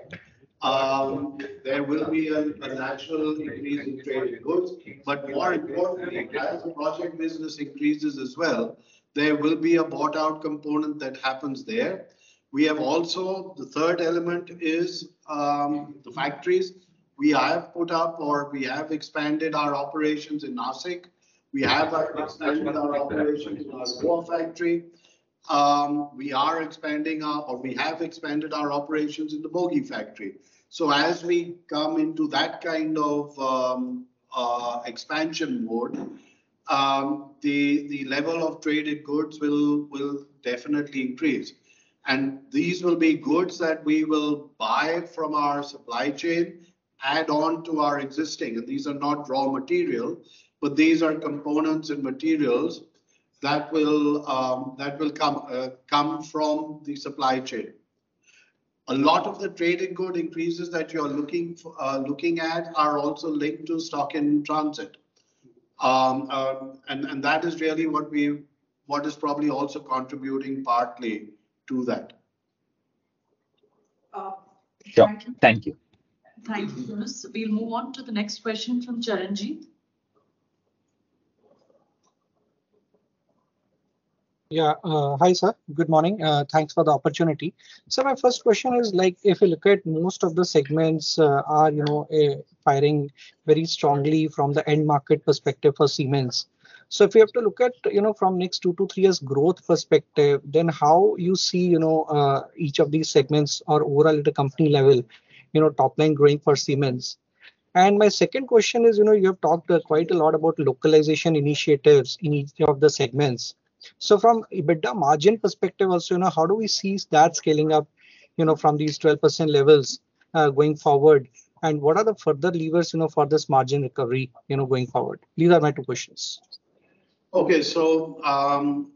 there will be a natural increase in traded goods, but more importantly, as the project business increases as well, there will be a bought-out component that happens there. We have also the third element is the factories. We have put up or we have expanded our operations in Nashik. We have expanded our operations in our Goa factory. We have expanded our operations in the bogie factory, so as we come into that kind of expansion mode, the level of traded goods will definitely increase, and these will be goods that we will buy from our supply chain, add on to our existing, and these are not raw material, but these are components and materials that will come from the supply chain. A lot of the traded good increases that you are looking at are also linked to stock in transit. And that is really what is probably also contributing partly to that. Sure. Thank you. Thank you, Jonas. We'll move on to the next question from Charanjit. Yeah. Hi, sir. Good morning. Thanks for the opportunity. So my first question is, if you look at most of the segments are firing very strongly from the end market perspective for Siemens. So if you have to look at from next two to three years growth perspective, then how you see each of these segments or overall at a company level top-line growing for Siemens? And my second question is, you have talked quite a lot about localization initiatives in each of the segments. So from a better margin perspective also, how do we see that scaling up from these 12% levels going forward? And what are the further levers for this margin recovery going forward? These are my two questions. Okay. So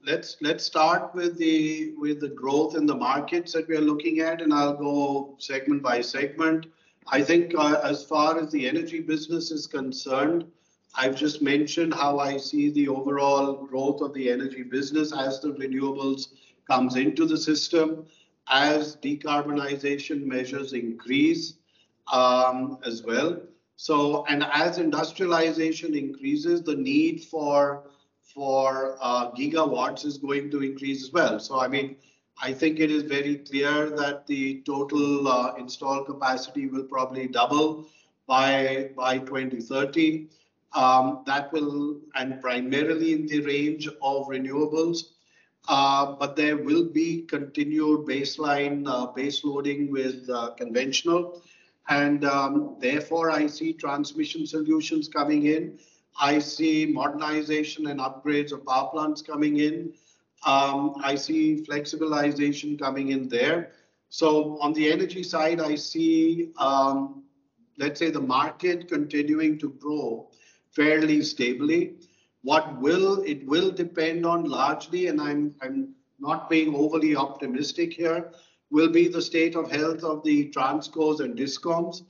let's start with the growth in the markets that we are looking at, and I'll go segment by segment. I think as far as the energy business is concerned, I've just mentioned how I see the overall growth of the energy business as the renewables come into the system, as decarbonization measures increase as well. And as industrialization increases, the need for GW is going to increase as well. So I mean, I think it is very clear that the total installed capacity will probably double by 2030. That will, and primarily in the range of renewables. But there will be continued baseline base loading with conventional. Therefore, I see transmission solutions coming in. I see modernization and upgrades of power plants coming in. I see flexibilization coming in there, so on the energy side, I see, let's say, the market continuing to grow fairly stably. What will depend on largely, and I'm not being overly optimistic here, will be the state of health of the transcos and DISCOMs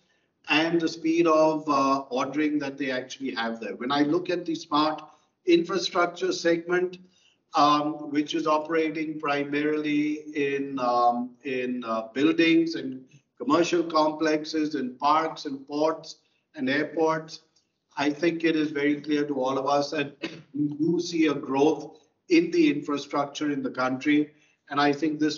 and the speed of ordering that they actually have there. When I look at the smart infrastructure segment, which is operating primarily in buildings and commercial complexes and parks and ports and airports, I think it is very clear to all of us that we do see a growth in the infrastructure in the country, and I think this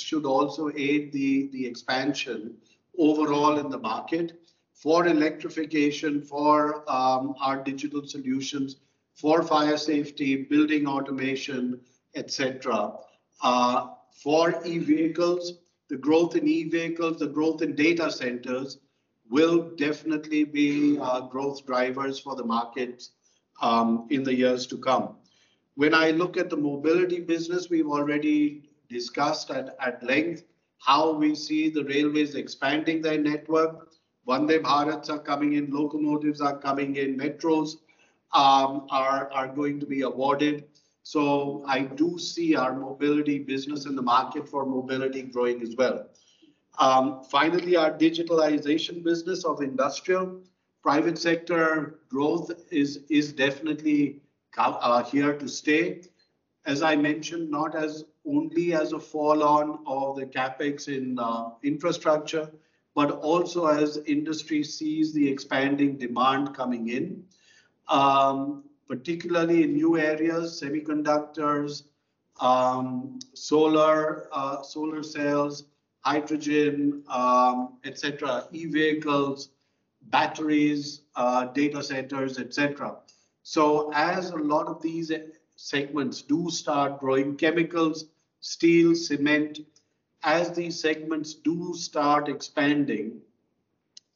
should also aid the expansion overall in the market for electrification, for our digital solutions, for fire safety, building automation, etc. For e-vehicles, the growth in e-vehicles, the growth in data centers will definitely be growth drivers for the markets in the years to come. When I look at the Mobility business, we've already discussed at length how we see the railways expanding their network. Vande Bharats are coming in, locomotives are coming in, metros are going to be awarded. So I do see our Mobility business in the market for mobility growing as well. Finally, our digitalization business of industrial private sector growth is definitely here to stay. As I mentioned, not only as a fallout of the CapEx in infrastructure, but also as industry sees the expanding demand coming in, particularly in new areas, semiconductors, solar cells, hydrogen, etc., e-vehicles, batteries, data centers, etc. As a lot of these segments do start growing, chemicals, steel, cement, as these segments do start expanding,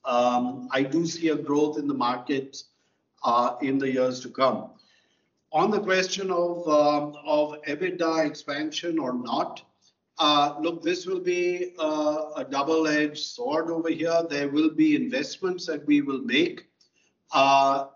I do see a growth in the markets in the years to come. On the question of EBITDA expansion or not, look, this will be a double-edged sword over here. There will be investments that we will make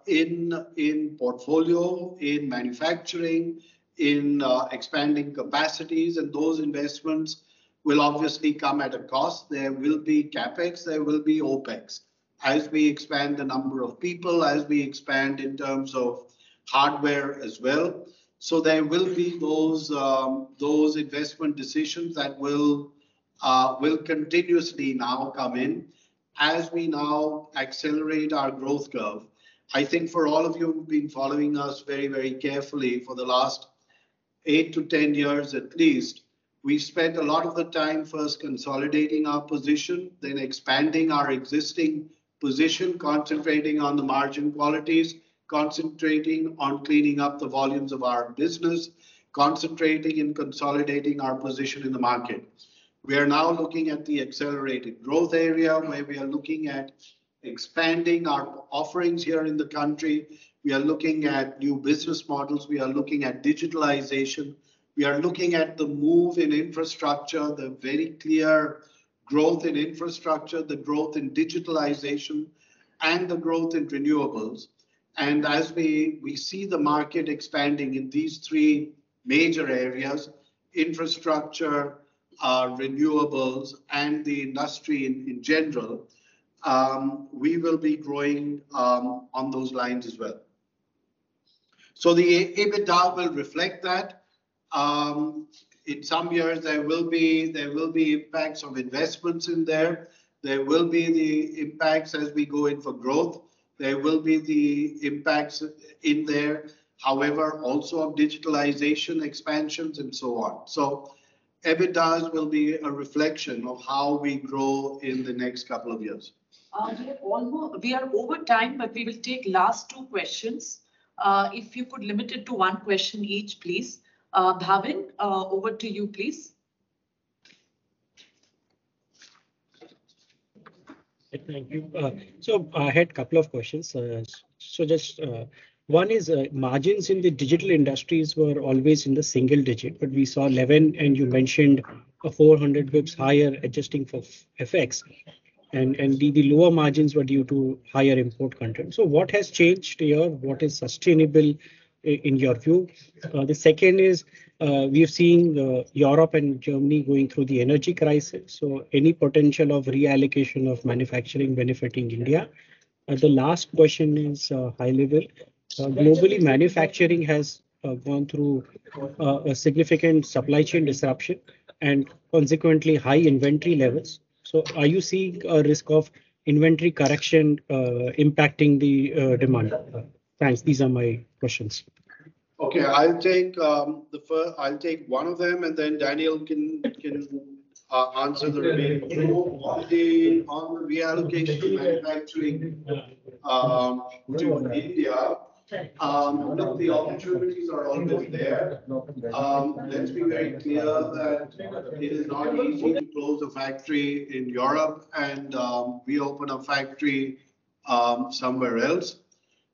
in portfolio, in manufacturing, in expanding capacities. And those investments will obviously come at a cost. There will be CapEx. There will be OpEx as we expand the number of people, as we expand in terms of hardware as well. There will be those investment decisions that will continuously now come in as we now accelerate our growth curve. I think for all of you who've been following us very, very carefully for the last eight years-10 years at least, we've spent a lot of the time first consolidating our position, then expanding our existing position, concentrating on the margin qualities, concentrating on cleaning up the volumes of our business, concentrating and consolidating our position in the market. We are now looking at the accelerated growth area where we are looking at expanding our offerings here in the country. We are looking at new business models. We are looking at digitalization. We are looking at the move in infrastructure, the very clear growth in infrastructure, the growth in digitalization, and the growth in renewables, and as we see the market expanding in these three major areas, infrastructure, renewables, and the industry in general, we will be growing on those lines as well, so the EBITDA will reflect that. In some years, there will be impacts of investments in there. There will be the impacts as we go in for growth. There will be the impacts in there, however, also of digitalization expansions and so on. So EBITDAs will be a reflection of how we grow in the next couple of years. We are over time, but we will take last two questions. If you could limit it to one question each, please. Bhavin, over to you, please. Thank you. So I had a couple of questions. So just one is margins in the Digital Industries were always in the single-digit, but we saw 11%, and you mentioned 400 basis points higher adjusting for FX. And the lower margins were due to higher import content. So what has changed here? What is sustainable in your view? The second is we've seen Europe and Germany going through the energy crisis. So any potential of reallocation of manufacturing benefiting India? The last question is high-level. Globally, manufacturing has gone through a significant supply chain disruption and consequently high inventory levels. So are you seeing a risk of inventory correction impacting the demand? Thanks. These are my questions. Okay. I'll take one of them, and then Daniel can answer the remaining two. On the reallocation manufacturing to India, look, the opportunities are always there. Let's be very clear that it is not easy to close a factory in Europe and reopen a factory somewhere else.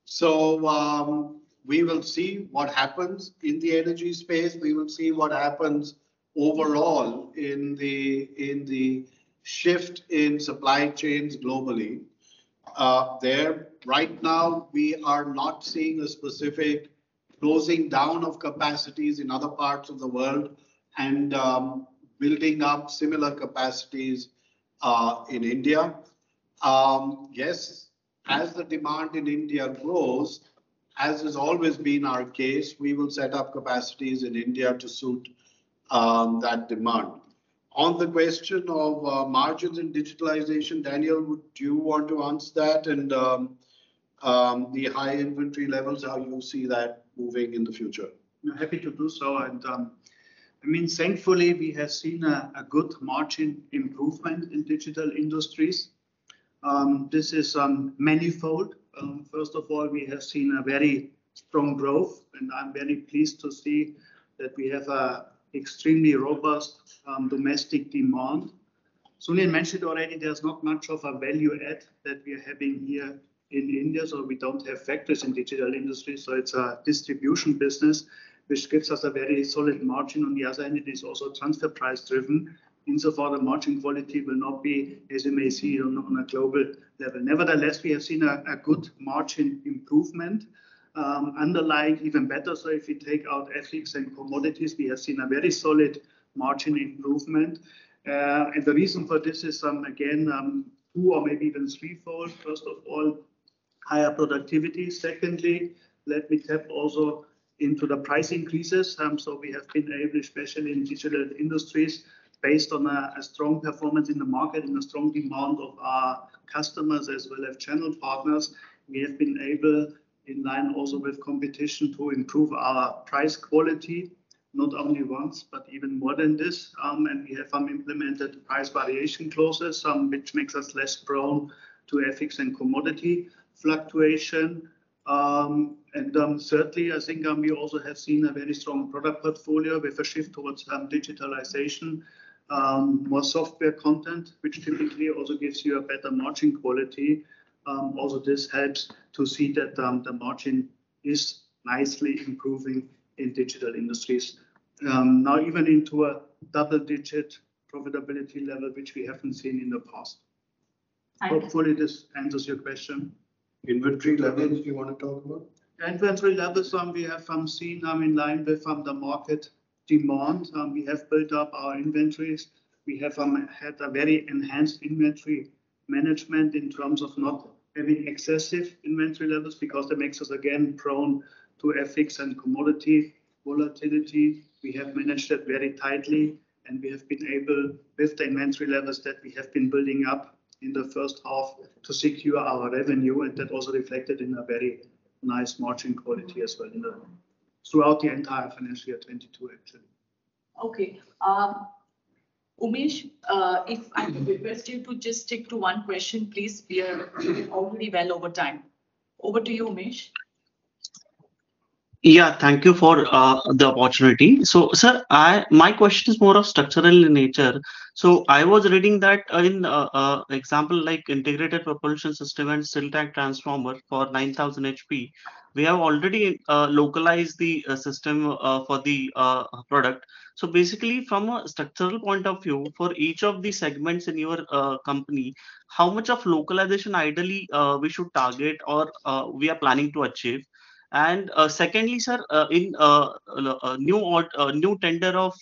So we will see what happens in the energy space. We will see what happens overall in the shift in supply chains globally. Right now, we are not seeing a specific closing down of capacities in other parts of the world and building up similar capacities in India. Yes, as the demand in India grows, as has always been our case, we will set up capacities in India to suit that demand. On the question of margins and digitalization, Daniel, would you want to answer that and the high inventory levels, how do you see that moving in the future? I'm happy to do so, and I mean, thankfully, we have seen a good margin improvement in Digital Industries. This is manifold. First of all, we have seen a very strong growth, and I'm very pleased to see that we have an extremely robust domestic demand. Sunil mentioned already there's not much of a value add that we are having here in India. So we don't have factories in Digital Industries. So it's a distribution business, which gives us a very solid margin. On the other hand, it is also transfer price-driven. Insofar the margin quality will not be as you may see on a global level. Nevertheless, we have seen a good margin improvement underlying even better, so if you take out FX and commodities, we have seen a very solid margin improvement, and the reason for this is, again, two or maybe even threefold. First of all, higher productivity. Secondly, let me tap also into the price increases, so we have been able, especially in Digital Industries, based on a strong performance in the market and the strong demand of our customers as well as channel partners, we have been able, in line also with competition, to improve our price quality, not only once, but even more than this, and we have implemented price variation clauses, which makes us less prone to FX and commodity fluctuation. Certainly, I think we also have seen a very strong product portfolio with a shift towards digitalization, more software content, which typically also gives you a better margin quality. Also, this helps to see that the margin is nicely improving in Digital Industries, now even into a double-digit profitability level, which we haven't seen in the past. Hopefully, this answers your question. Inventory levels, you want to talk about? Inventory levels, we have seen in line with the market demand. We have built up our inventories. We have had a very enhanced inventory management in terms of not having excessive inventory levels because that makes us, again, prone to FX and commodity volatility. We have managed that very tightly, and we have been able, with the inventory levels that we have been building up in the first half, to secure our revenue. And that also reflected in a very nice margin quality as well throughout the entire financial year 2022, actually. Okay. Umesh, if I could request you to just stick to one question, please. We are already well over time. Over to you, Umesh. Yeah. Thank you for the opportunity. So, sir, my question is more of structural in nature. So I was reading that in an example like integrated propulsion system and steel tank transformer for 9,000 HP, we have already localized the system for the product. So basically, from a structural point of view, for each of the segments in your company, how much of localization ideally we should target or we are planning to achieve? And secondly, sir, in a new tender of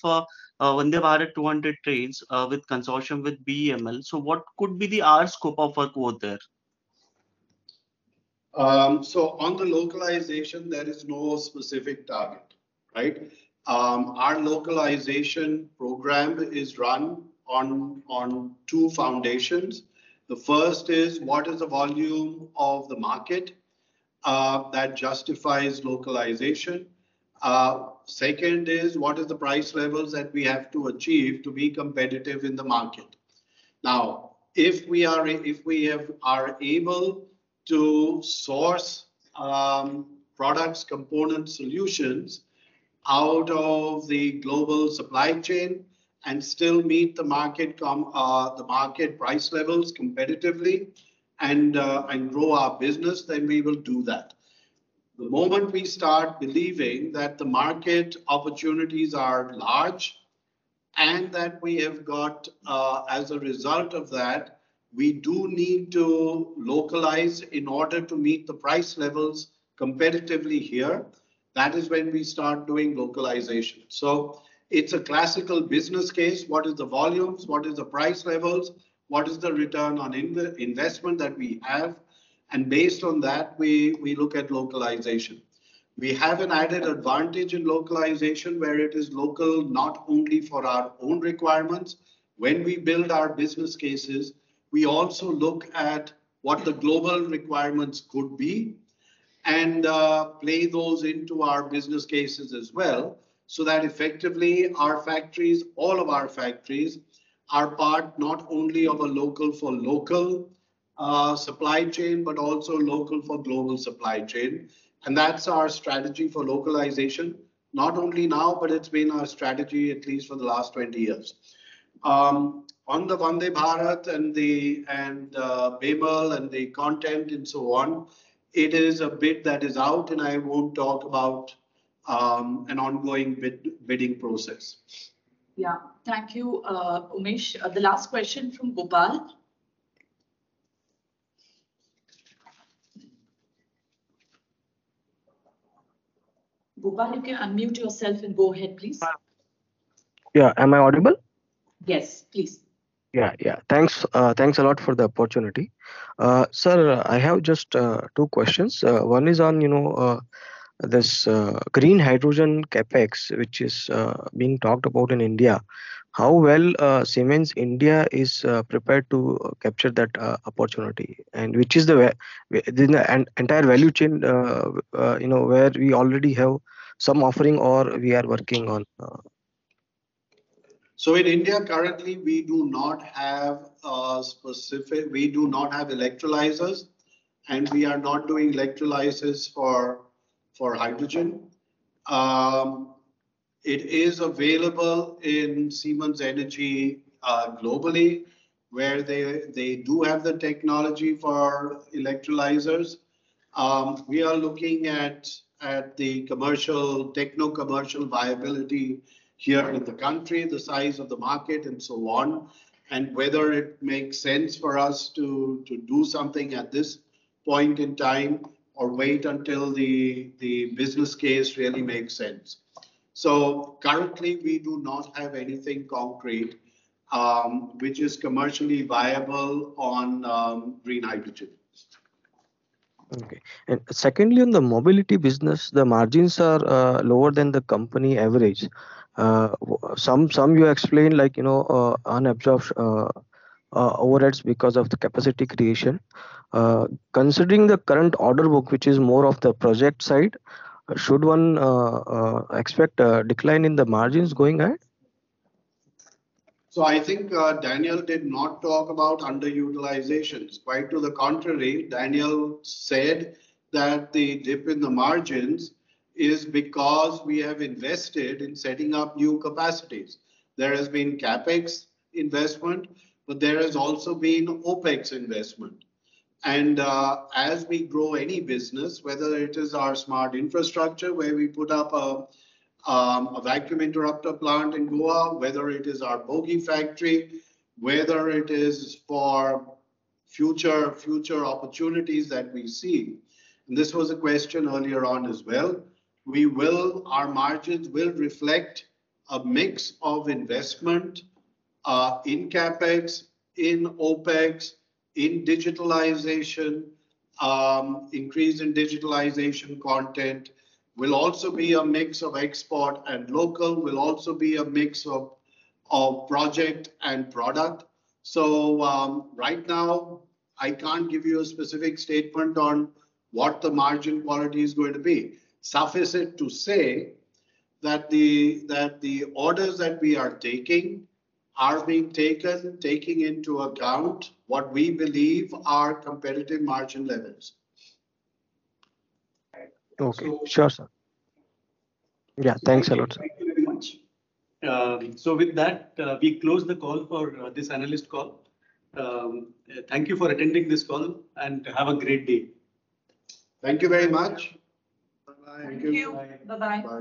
Vande Bharat 200 trains with consortium with BEML, so what could be our scope of work over there? So on the localization, there is no specific target, right? Our localization program is run on two foundations. The first is what is the volume of the market that justifies localization. Second is what are the price levels that we have to achieve to be competitive in the market? Now, if we are able to source products, components, solutions out of the global supply chain and still meet the market price levels competitively and grow our business, then we will do that. The moment we start believing that the market opportunities are large and that we have got, as a result of that, we do need to localize in order to meet the price levels competitively here, that is when we start doing localization. So it's a classical business case. What are the volumes? What are the price levels? What is the return on investment that we have? Based on that, we look at localization. We have an added advantage in localization where it is local not only for our own requirements. When we build our business cases, we also look at what the global requirements could be and play those into our business cases as well so that effectively all of our factories are part not only of a local for local supply chain, but also local for global supply chain. That's our strategy for localization, not only now, but it's been our strategy at least for the last 20 years. On the Vande Bharat and the BEML and the content and so on, it is a bid that is out, and I won't talk about an ongoing bidding process. Yeah. Thank you, Umesh. The last question from Gopal. Gopal, you can unmute yourself and go ahead, please. Yeah. Am I audible? Yes, please. Yeah, yeah. Thanks a lot for the opportunity. Sir, I have just two questions. One is on this green hydrogen CapEx, which is being talked about in India. How well Siemens India is prepared to capture that opportunity? And which is the entire value chain where we already have some offering or we are working on? So in India, currently, we do not have electrolyzers, and we are not doing electrolyzers for hydrogen. It is available in Siemens Energy globally where they do have the technology for electrolyzers. We are looking at the technical commercial viability here in the country, the size of the market, and so on, and whether it makes sense for us to do something at this point in time or wait until the business case really makes sense. So currently, we do not have anything concrete which is commercially viable on green hydrogen. Okay. And secondly, on the Mobility business, the margins are lower than the company average. Some you explained like unabsorbed overheads because of the capacity creation. Considering the current order book, which is more of the project side, should one expect a decline in the margins going ahead? So I think Daniel did not talk about underutilizations. Quite to the contrary, Daniel said that the dip in the margins is because we have invested in setting up new capacities. There has been CapEx investment, but there has also been OpEx investment. And as we grow any business, whether it is our Smart Infrastructure where we put up a vacuum interrupter plant in Goa, whether it is our bogie factory, whether it is for future opportunities that we see. And this was a question earlier on as well. Our margins will reflect a mix of investment in CapEx, in OpEx, in digitalization, increase in digitalization content. Will also be a mix of export and local. Will also be a mix of project and product. So right now, I can't give you a specific statement on what the margin quality is going to be. Suffice it to say that the orders that we are taking are being taken into account what we believe are competitive margin levels. Okay. Sure, sir. Yeah. Thanks a lot, sir. Thank you very much. So with that, we close the call for this analyst call. Thank you for attending this call, and have a great day. Thank you very much. Bye-bye. Thank you. Thank you. Bye-bye.